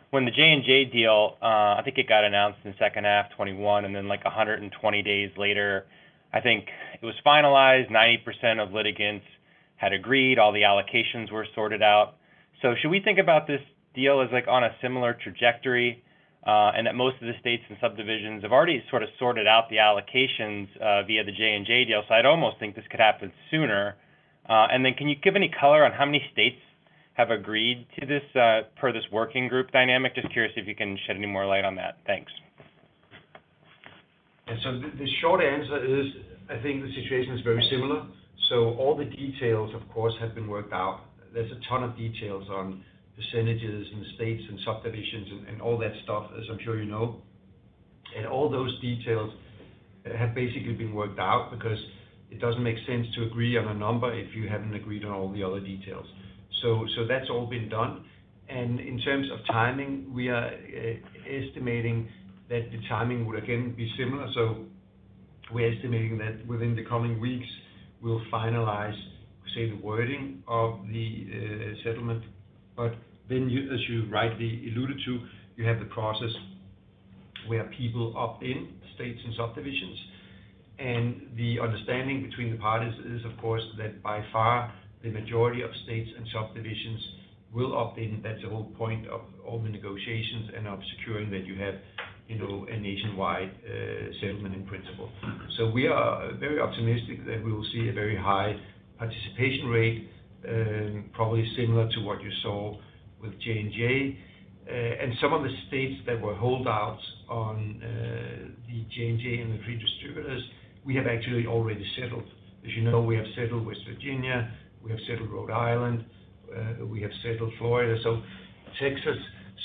When the J&J deal, I think it got announced in second half 2021, and then, like, 120 days later, I think it was finalized, 90% of litigants had agreed, all the allocations were sorted out. Should we think about this deal as, like, on a similar trajectory, and that most of the states and subdivisions have already sort of sorted out the allocations via the J&J deal. I'd almost think this could happen sooner. And then can you give any color on how many states have agreed to this per this working group dynamic? Just curious if you can shed any more light on that. Thanks. The short answer is, I think the situation is very similar. All the details, of course, have been worked out. There's a ton of details on percentages and states and subdivisions and all that stuff, as I'm sure you know. All those details have basically been worked out because it doesn't make sense to agree on a number if you haven't agreed on all the other details. That's all been done. In terms of timing, we are estimating that the timing will again be similar. We're estimating that within the coming weeks we'll finalize, say, the wording of the settlement. Then you, as you rightly alluded to, you have the process where people opt in, states and subdivisions. The understanding between the parties is, of course, that by far the majority of states and subdivisions will opt in. That's the whole point of all the negotiations and of securing that you have, you know, a nationwide settlement in principle. We are very optimistic that we will see a very high participation rate, probably similar to what you saw with J&J. Some of the states that were holdouts on the J&J and the three distributors, we have actually already settled. As you know, we have settled West Virginia, we have settled Rhode Island, we have settled Florida, so Texas.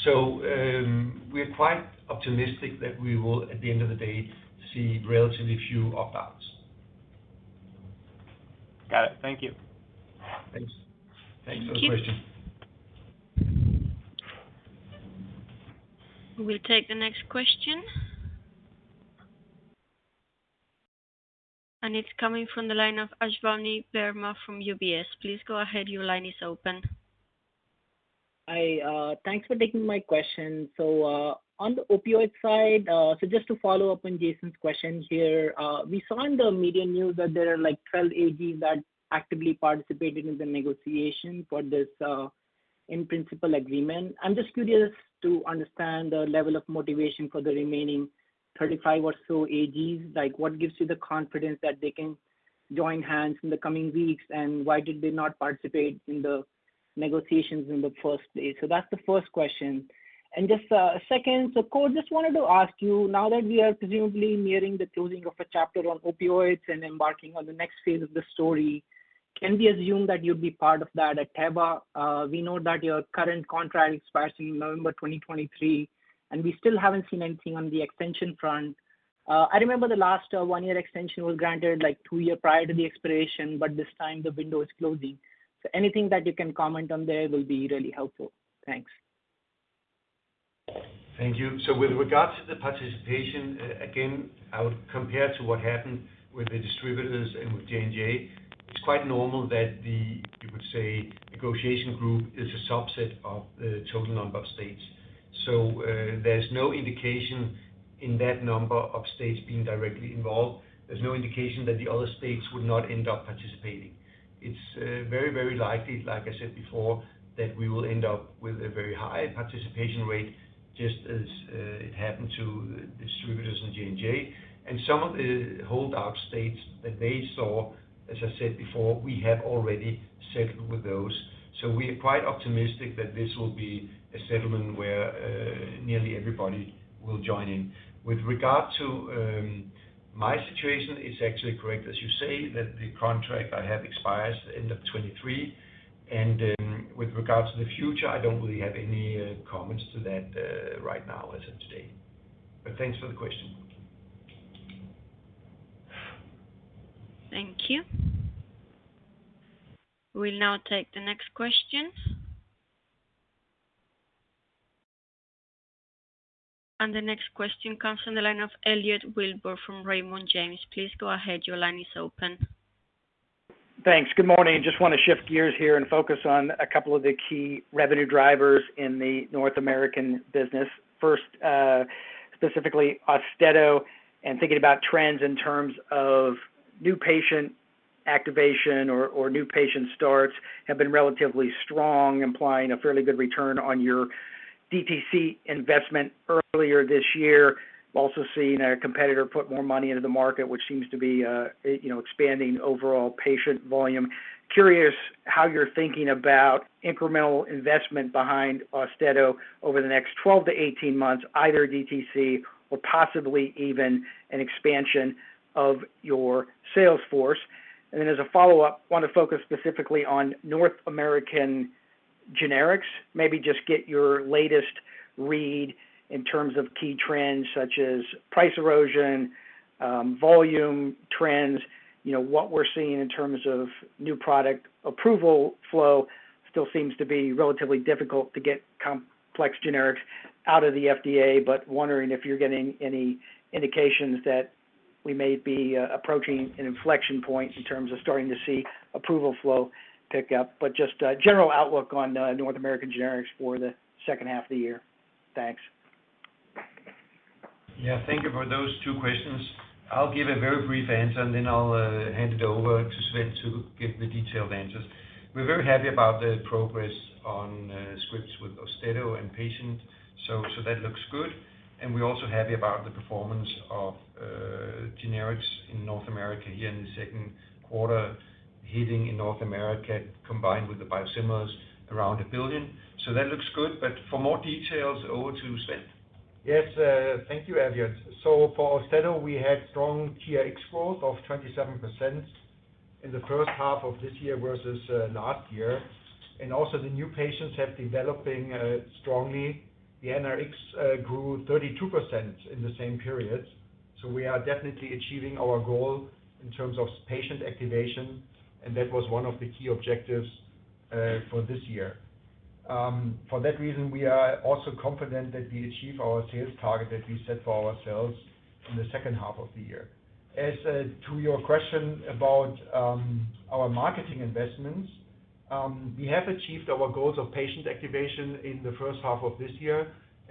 We're quite optimistic that we will, at the end of the day, see relatively few opt-outs. Got it. Thank you. Thanks. Thanks for the question. Thank you. We'll take the next question. It's coming from the line of Ashwani Verma from UBS. Please go ahead. Your line is open. Thanks for taking my question. On the opioid side, just to follow up on Jason's question here. We saw in the media news that there are, like, 12 AGs that actively participated in the negotiation for this in-principle agreement. I'm just curious to understand the level of motivation for the remaining 35 or so AGs. Like, what gives you the confidence that they can join hands in the coming weeks, and why did they not participate in the negotiations in the first place? That's the first question. Just second, Kåre Schultz, just wanted to ask you, now that we are presumably nearing the closing of a chapter on opioids and embarking on the next phase of the story, can we assume that you'll be part of that at Teva? We know that your current contract expires in November 2023, and we still haven't seen anything on the extension front. I remember the last one-year extension was granted, like, two years prior to the expiration, but this time the window is closing. Anything that you can comment on there will be really helpful. Thanks. Thank you. With regards to the participation, again, I would compare to what happened with the distributors and with J&J. It's quite normal that the, you could say, negotiation group is a subset of the total number of states. There's no indication in that number of states being directly involved, there's no indication that the other states would not end up participating. It's very, very likely, like I said before, that we will end up with a very high participation rate, just as it happened to distributors in J&J. Some of the holdout states that they saw, as I said before, we have already settled with those. We are quite optimistic that this will be a settlement where nearly everybody will join in. With regard to my situation, it's actually correct, as you say, that the contract I have expires end of 2023. With regards to the future, I don't really have any comments to that right now as of today. Thanks for the question. Thank you. We'll now take the next question. The next question comes from the line of Elliot Wilbur from Raymond James. Please go ahead. Your line is open. Thanks. Good morning. Just wanna shift gears here and focus on a couple of the key revenue drivers in the North American business. First, specifically AUSTEDO and thinking about trends in terms of new patient activation or new patient starts have been relatively strong, implying a fairly good return on your DTC investment earlier this year. Also seeing a competitor put more money into the market, which seems to be, you know, expanding overall patient volume. Curious how you're thinking about incremental investment behind AUSTEDO over the next 12-18 months, either DTC or possibly even an expansion of your sales force. As a follow-up, want to focus specifically on North American generics, maybe just get your latest read in terms of key trends such as price erosion, volume trends. You know, what we're seeing in terms of new product approval flow still seems to be relatively difficult to get complex generics out of the FDA, but wondering if you're getting any indications that we may be approaching an inflection point in terms of starting to see approval flow pick up. Just a general outlook on North American generics for the second half of the year. Thanks. Yeah, thank you for those two questions. I'll give a very brief answer, and then I'll hand it over to Sven to give the detailed answers. We're very happy about the progress on scripts with AUSTEDO and patient. That looks good. We're also happy about the performance of generics in North America here in the second quarter, combined with the biosimilars around $1 billion. That looks good. For more details, over to Sven. Yes, thank you, Elliot. For AUSTEDO, we had strong TRx growth of 27% in the first half of this year versus last year. The new patients are developing strongly. The NRx grew 32% in the same period. We are definitely achieving our goal in terms of patient activation, and that was one of the key objectives for this year. For that reason we are also confident that we achieve our sales target that we set for ourselves in the second half of the year. As to your question about our marketing investments, we have achieved our goals of patient activation in the first half of this year.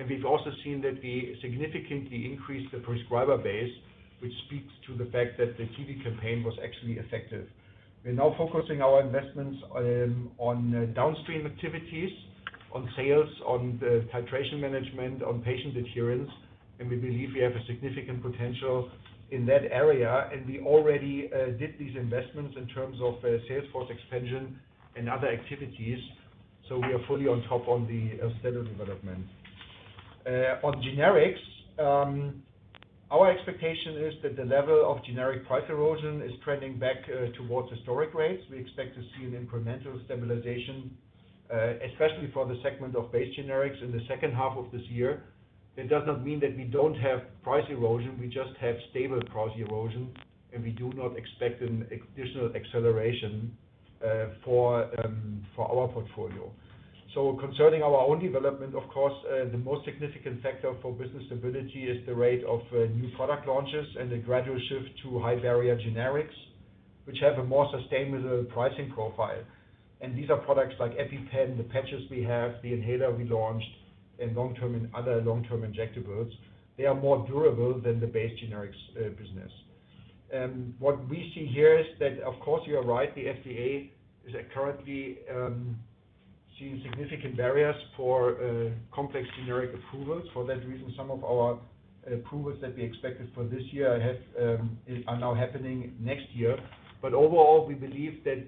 We've also seen that we significantly increased the prescriber base, which speaks to the fact that the TV campaign was actually effective. We're now focusing our investments on downstream activities, on sales, on the titration management, on patient adherence, and we believe we have a significant potential in that area. We already did these investments in terms of sales force expansion and other activities. We are fully on top of the AUSTEDO development. On generics, our expectation is that the level of generic price erosion is trending back towards historic rates. We expect to see an incremental stabilization, especially for the segment of base generics in the second half of this year. That does not mean that we don't have price erosion. We just have stable price erosion, and we do not expect an additional acceleration for our portfolio. Concerning our own development, of course, the most significant factor for business stability is the rate of new product launches and the gradual shift to high barrier generics, which have a more sustainable pricing profile. These are products like EpiPen, the patches we have, the inhaler we launched, and other long-term injectables. They are more durable than the base generics business. What we see here is that of course you are right, the FDA is currently seeing significant barriers for complex generic approvals. For that reason, some of our approvals that we expected for this year are now happening next year. Overall, we believe that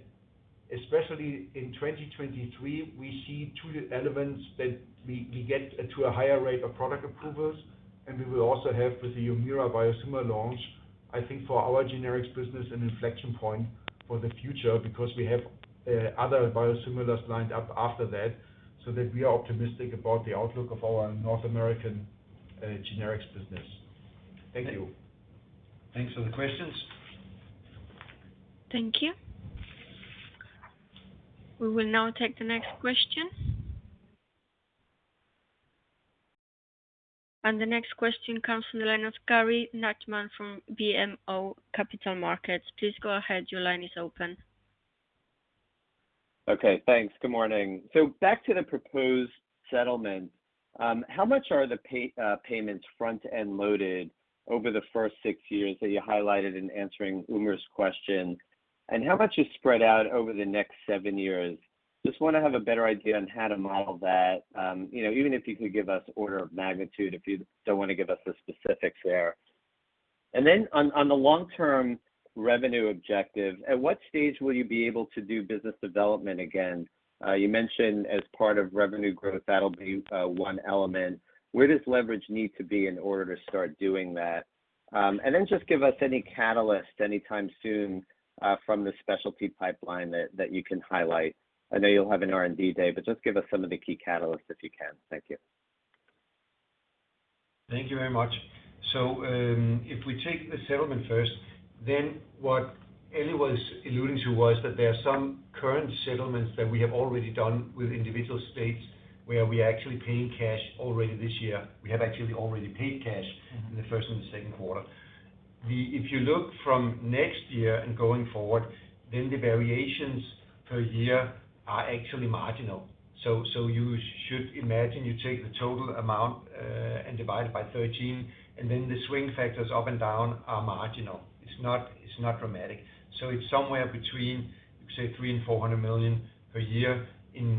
especially in 2023, we see two elements that we get to a higher rate of product approvals and we will also have with the HUMIRA biosimilar launch, I think for our generics business an inflection point for the future because we have other biosimilars lined up after that, so that we are optimistic about the outlook of our North American generics business. Thank you. Thanks for the questions. Thank you. We will now take the next question. The next question comes from the line of Gary Nachman from BMO Capital Markets. Please go ahead. Your line is open. Okay, thanks. Good morning. Back to the proposed settlement, how much are the payments front and loaded over the first six years that you highlighted in answering Umer's question, and how much is spread out over the next seven years? Just wanna have a better idea on how to model that, you know, even if you could give us order of magnitude, if you don't wanna give us the specifics there. On the long-term revenue objective, at what stage will you be able to do business development again? You mentioned as part of revenue growth, that'll be one element. Where does leverage need to be in order to start doing that? Just give us any catalyst anytime soon from the specialty pipeline that you can highlight. I know you'll have an R&D day, but just give us some of the key catalysts if you can. Thank you. Thank you very much. If we take the settlement first, what Eli was alluding to was that there are some current settlements that we have already done with individual states where we are actually paying cash already this year. We have actually already paid cash in the first and the second quarter. If you look from next year and going forward, then the variations per year are actually marginal. You should imagine you take the total amount and divide it by 13, and then the swing factors up and down are marginal. It's not dramatic. It's somewhere between, say, $300 million-$400 million per year in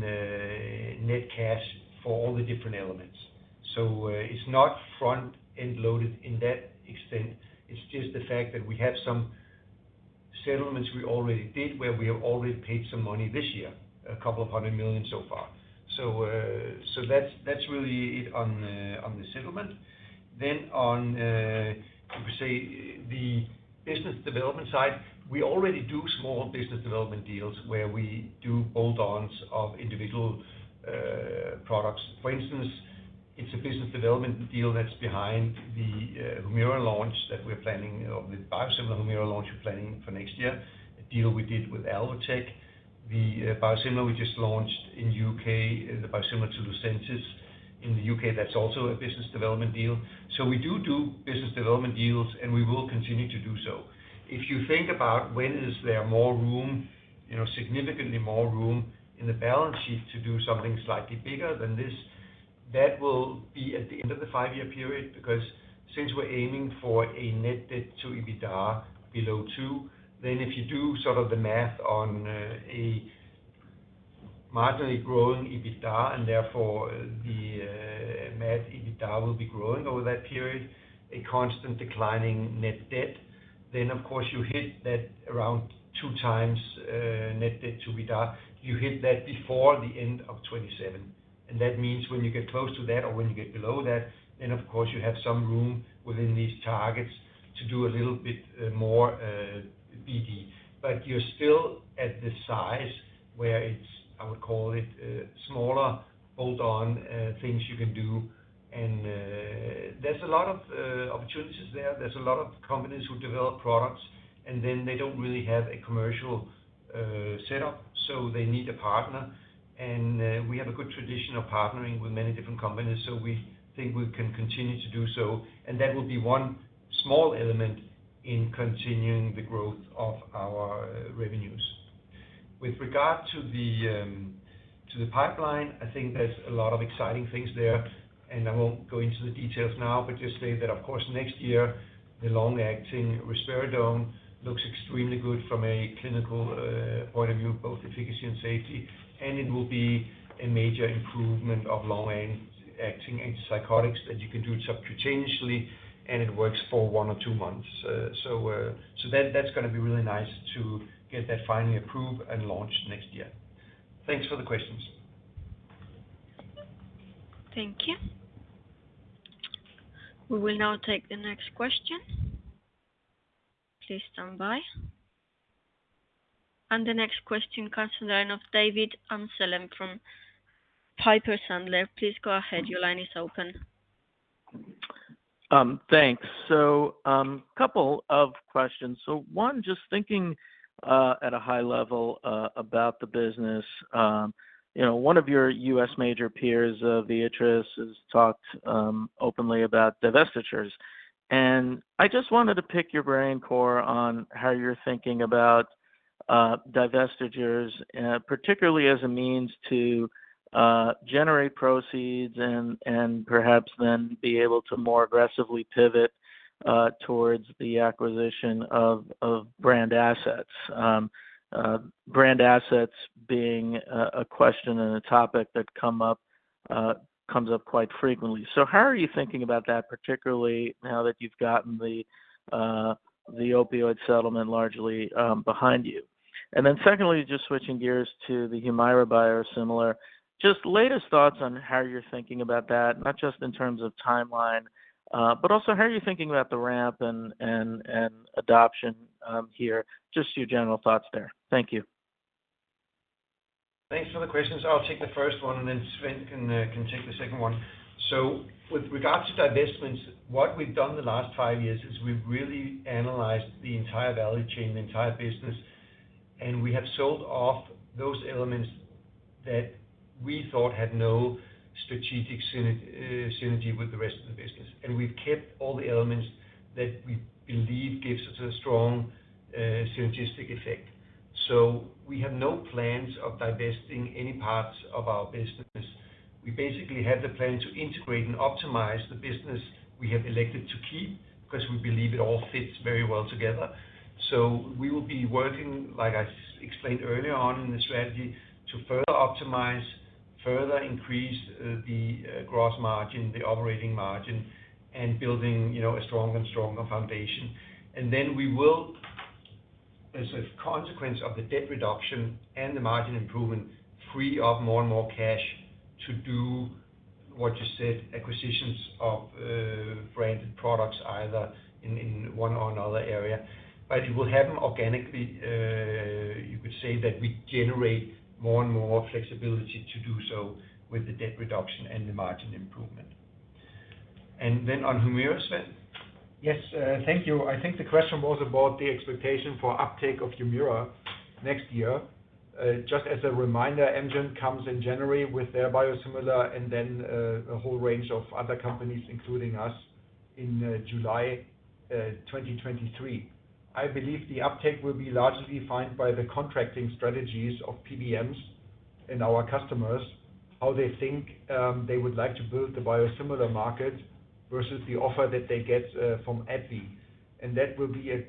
net cash for all the different elements. It's not front and loaded in that extent. It's just the fact that we have some settlements we already did where we have already paid some money this year, $200 million so far. That's really it on the settlement. On how to say, the business development side, we already do small business development deals where we do add-ons of individual products. For instance, it's a business development deal that's behind the HUMIRA launch that we're planning or the biosimilar HUMIRA launch we're planning for next year, a deal we did with Alvotech. The biosimilar we just launched in U.K., the biosimilar to Lucentis in the U.K., that's also a business development deal. We do business development deals, and we will continue to do so. If you think about when is there more room, you know, significantly more room in the balance sheet to do something slightly bigger than this, that will be at the end of the five-year period. Because since we're aiming for a net debt to EBITDA below two, then if you do sort of the math on a marginally growing EBITDA, and therefore the EBITDA will be growing over that period, a constant declining net debt, then of course you hit that around 2x net debt to EBITDA. You hit that before the end of 2027. That means when you get close to that or when you get below that, then of course you have some room within these targets to do a little bit more BD. You're still at the size where it's, I would call it, smaller add-on things you can do. There's a lot of opportunities there. There's a lot of companies who develop products, and then they don't really have a commercial setup, so they need a partner. We have a good tradition of partnering with many different companies, so we think we can continue to do so. That will be one small element in continuing the growth of our revenues. With regard to the pipeline, I think there's a lot of exciting things there, and I won't go into the details now, but just say that of course next year, the long-acting risperidone looks extremely good from a clinical point of view, both efficacy and safety. It will be a major improvement of long acting antipsychotics that you can do subcutaneously, and it works for one or two months. That's gonna be really nice to get that finally approved and launched next year. Thanks for the questions. Thank you. We will now take the next question. Please stand by. The next question comes in the line of David Amsellem from Piper Sandler. Please go ahead. Your line is open. Thanks. Couple of questions. One, just thinking at a high level about the business, you know, one of your U.S. major peers, Viatris, has talked openly about divestitures. I just wanted to pick your brain, Kåre, on how you're thinking about divestitures, particularly as a means to generate proceeds and perhaps then be able to more aggressively pivot towards the acquisition of brand assets. Brand assets being a question and a topic that comes up quite frequently. How are you thinking about that, particularly now that you've gotten the opioid settlement largely behind you? Then secondly, just switching gears to the HUMIRA biosimilar, just latest thoughts on how you're thinking about that, not just in terms of timeline, but also how are you thinking about the ramp and adoption, here? Just your general thoughts there. Thank you. Thanks for the questions. I'll take the first one, and then Sven can take the second one. With regards to divestments, what we've done the last five years is we've really analyzed the entire value chain, the entire business, and we have sold off those elements that we thought had no strategic synergy with the rest of the business. We've kept all the elements that we believe gives us a strong synergistic effect. We have no plans of divesting any parts of our business. We basically have the plan to integrate and optimize the business we have elected to keep, 'cause we believe it all fits very well together. We will be working, like I explained earlier on in the strategy, to further optimize, further increase, the gross margin, the operating margin, and building, you know, a stronger and stronger foundation. Then we will, as a consequence of the debt reduction and the margin improvement, free up more and more cash to do what you said, acquisitions of branded products either in one or another area. It will happen organically, you could say that we generate more and more flexibility to do so with the debt reduction and the margin improvement. Then on HUMIRA, Sven? Yes, thank you. I think the question was about the expectation for uptake of HUMIRA next year. Just as a reminder, Amgen comes in January with their biosimilar and then a whole range of other companies, including us in July 2023. I believe the uptake will be largely defined by the contracting strategies of PBMs and our customers, how they think they would like to build the biosimilar market versus the offer that they get from AbbVie. That will be a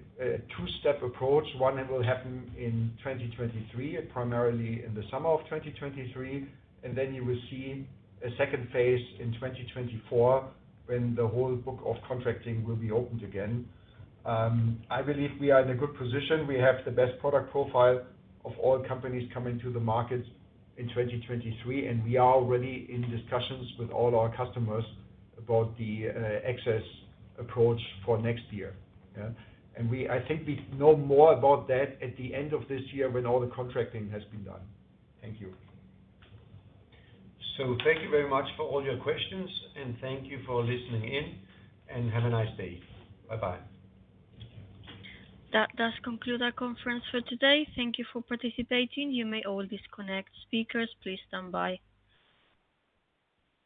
two-step approach. One that will happen in 2023, primarily in the summer of 2023, and then you will see a second phase in 2024 when the whole book of contracting will be opened again. I believe we are in a good position. We have the best product profile of all companies coming to the market in 2023, and we are already in discussions with all our customers about the access approach for next year. Yeah. I think we know more about that at the end of this year when all the contracting has been done. Thank you. Thank you very much for all your questions, and thank you for listening in, and have a nice day. Bye-bye. That does conclude our conference for today. Thank you for participating. You may all disconnect. Speakers, please stand by.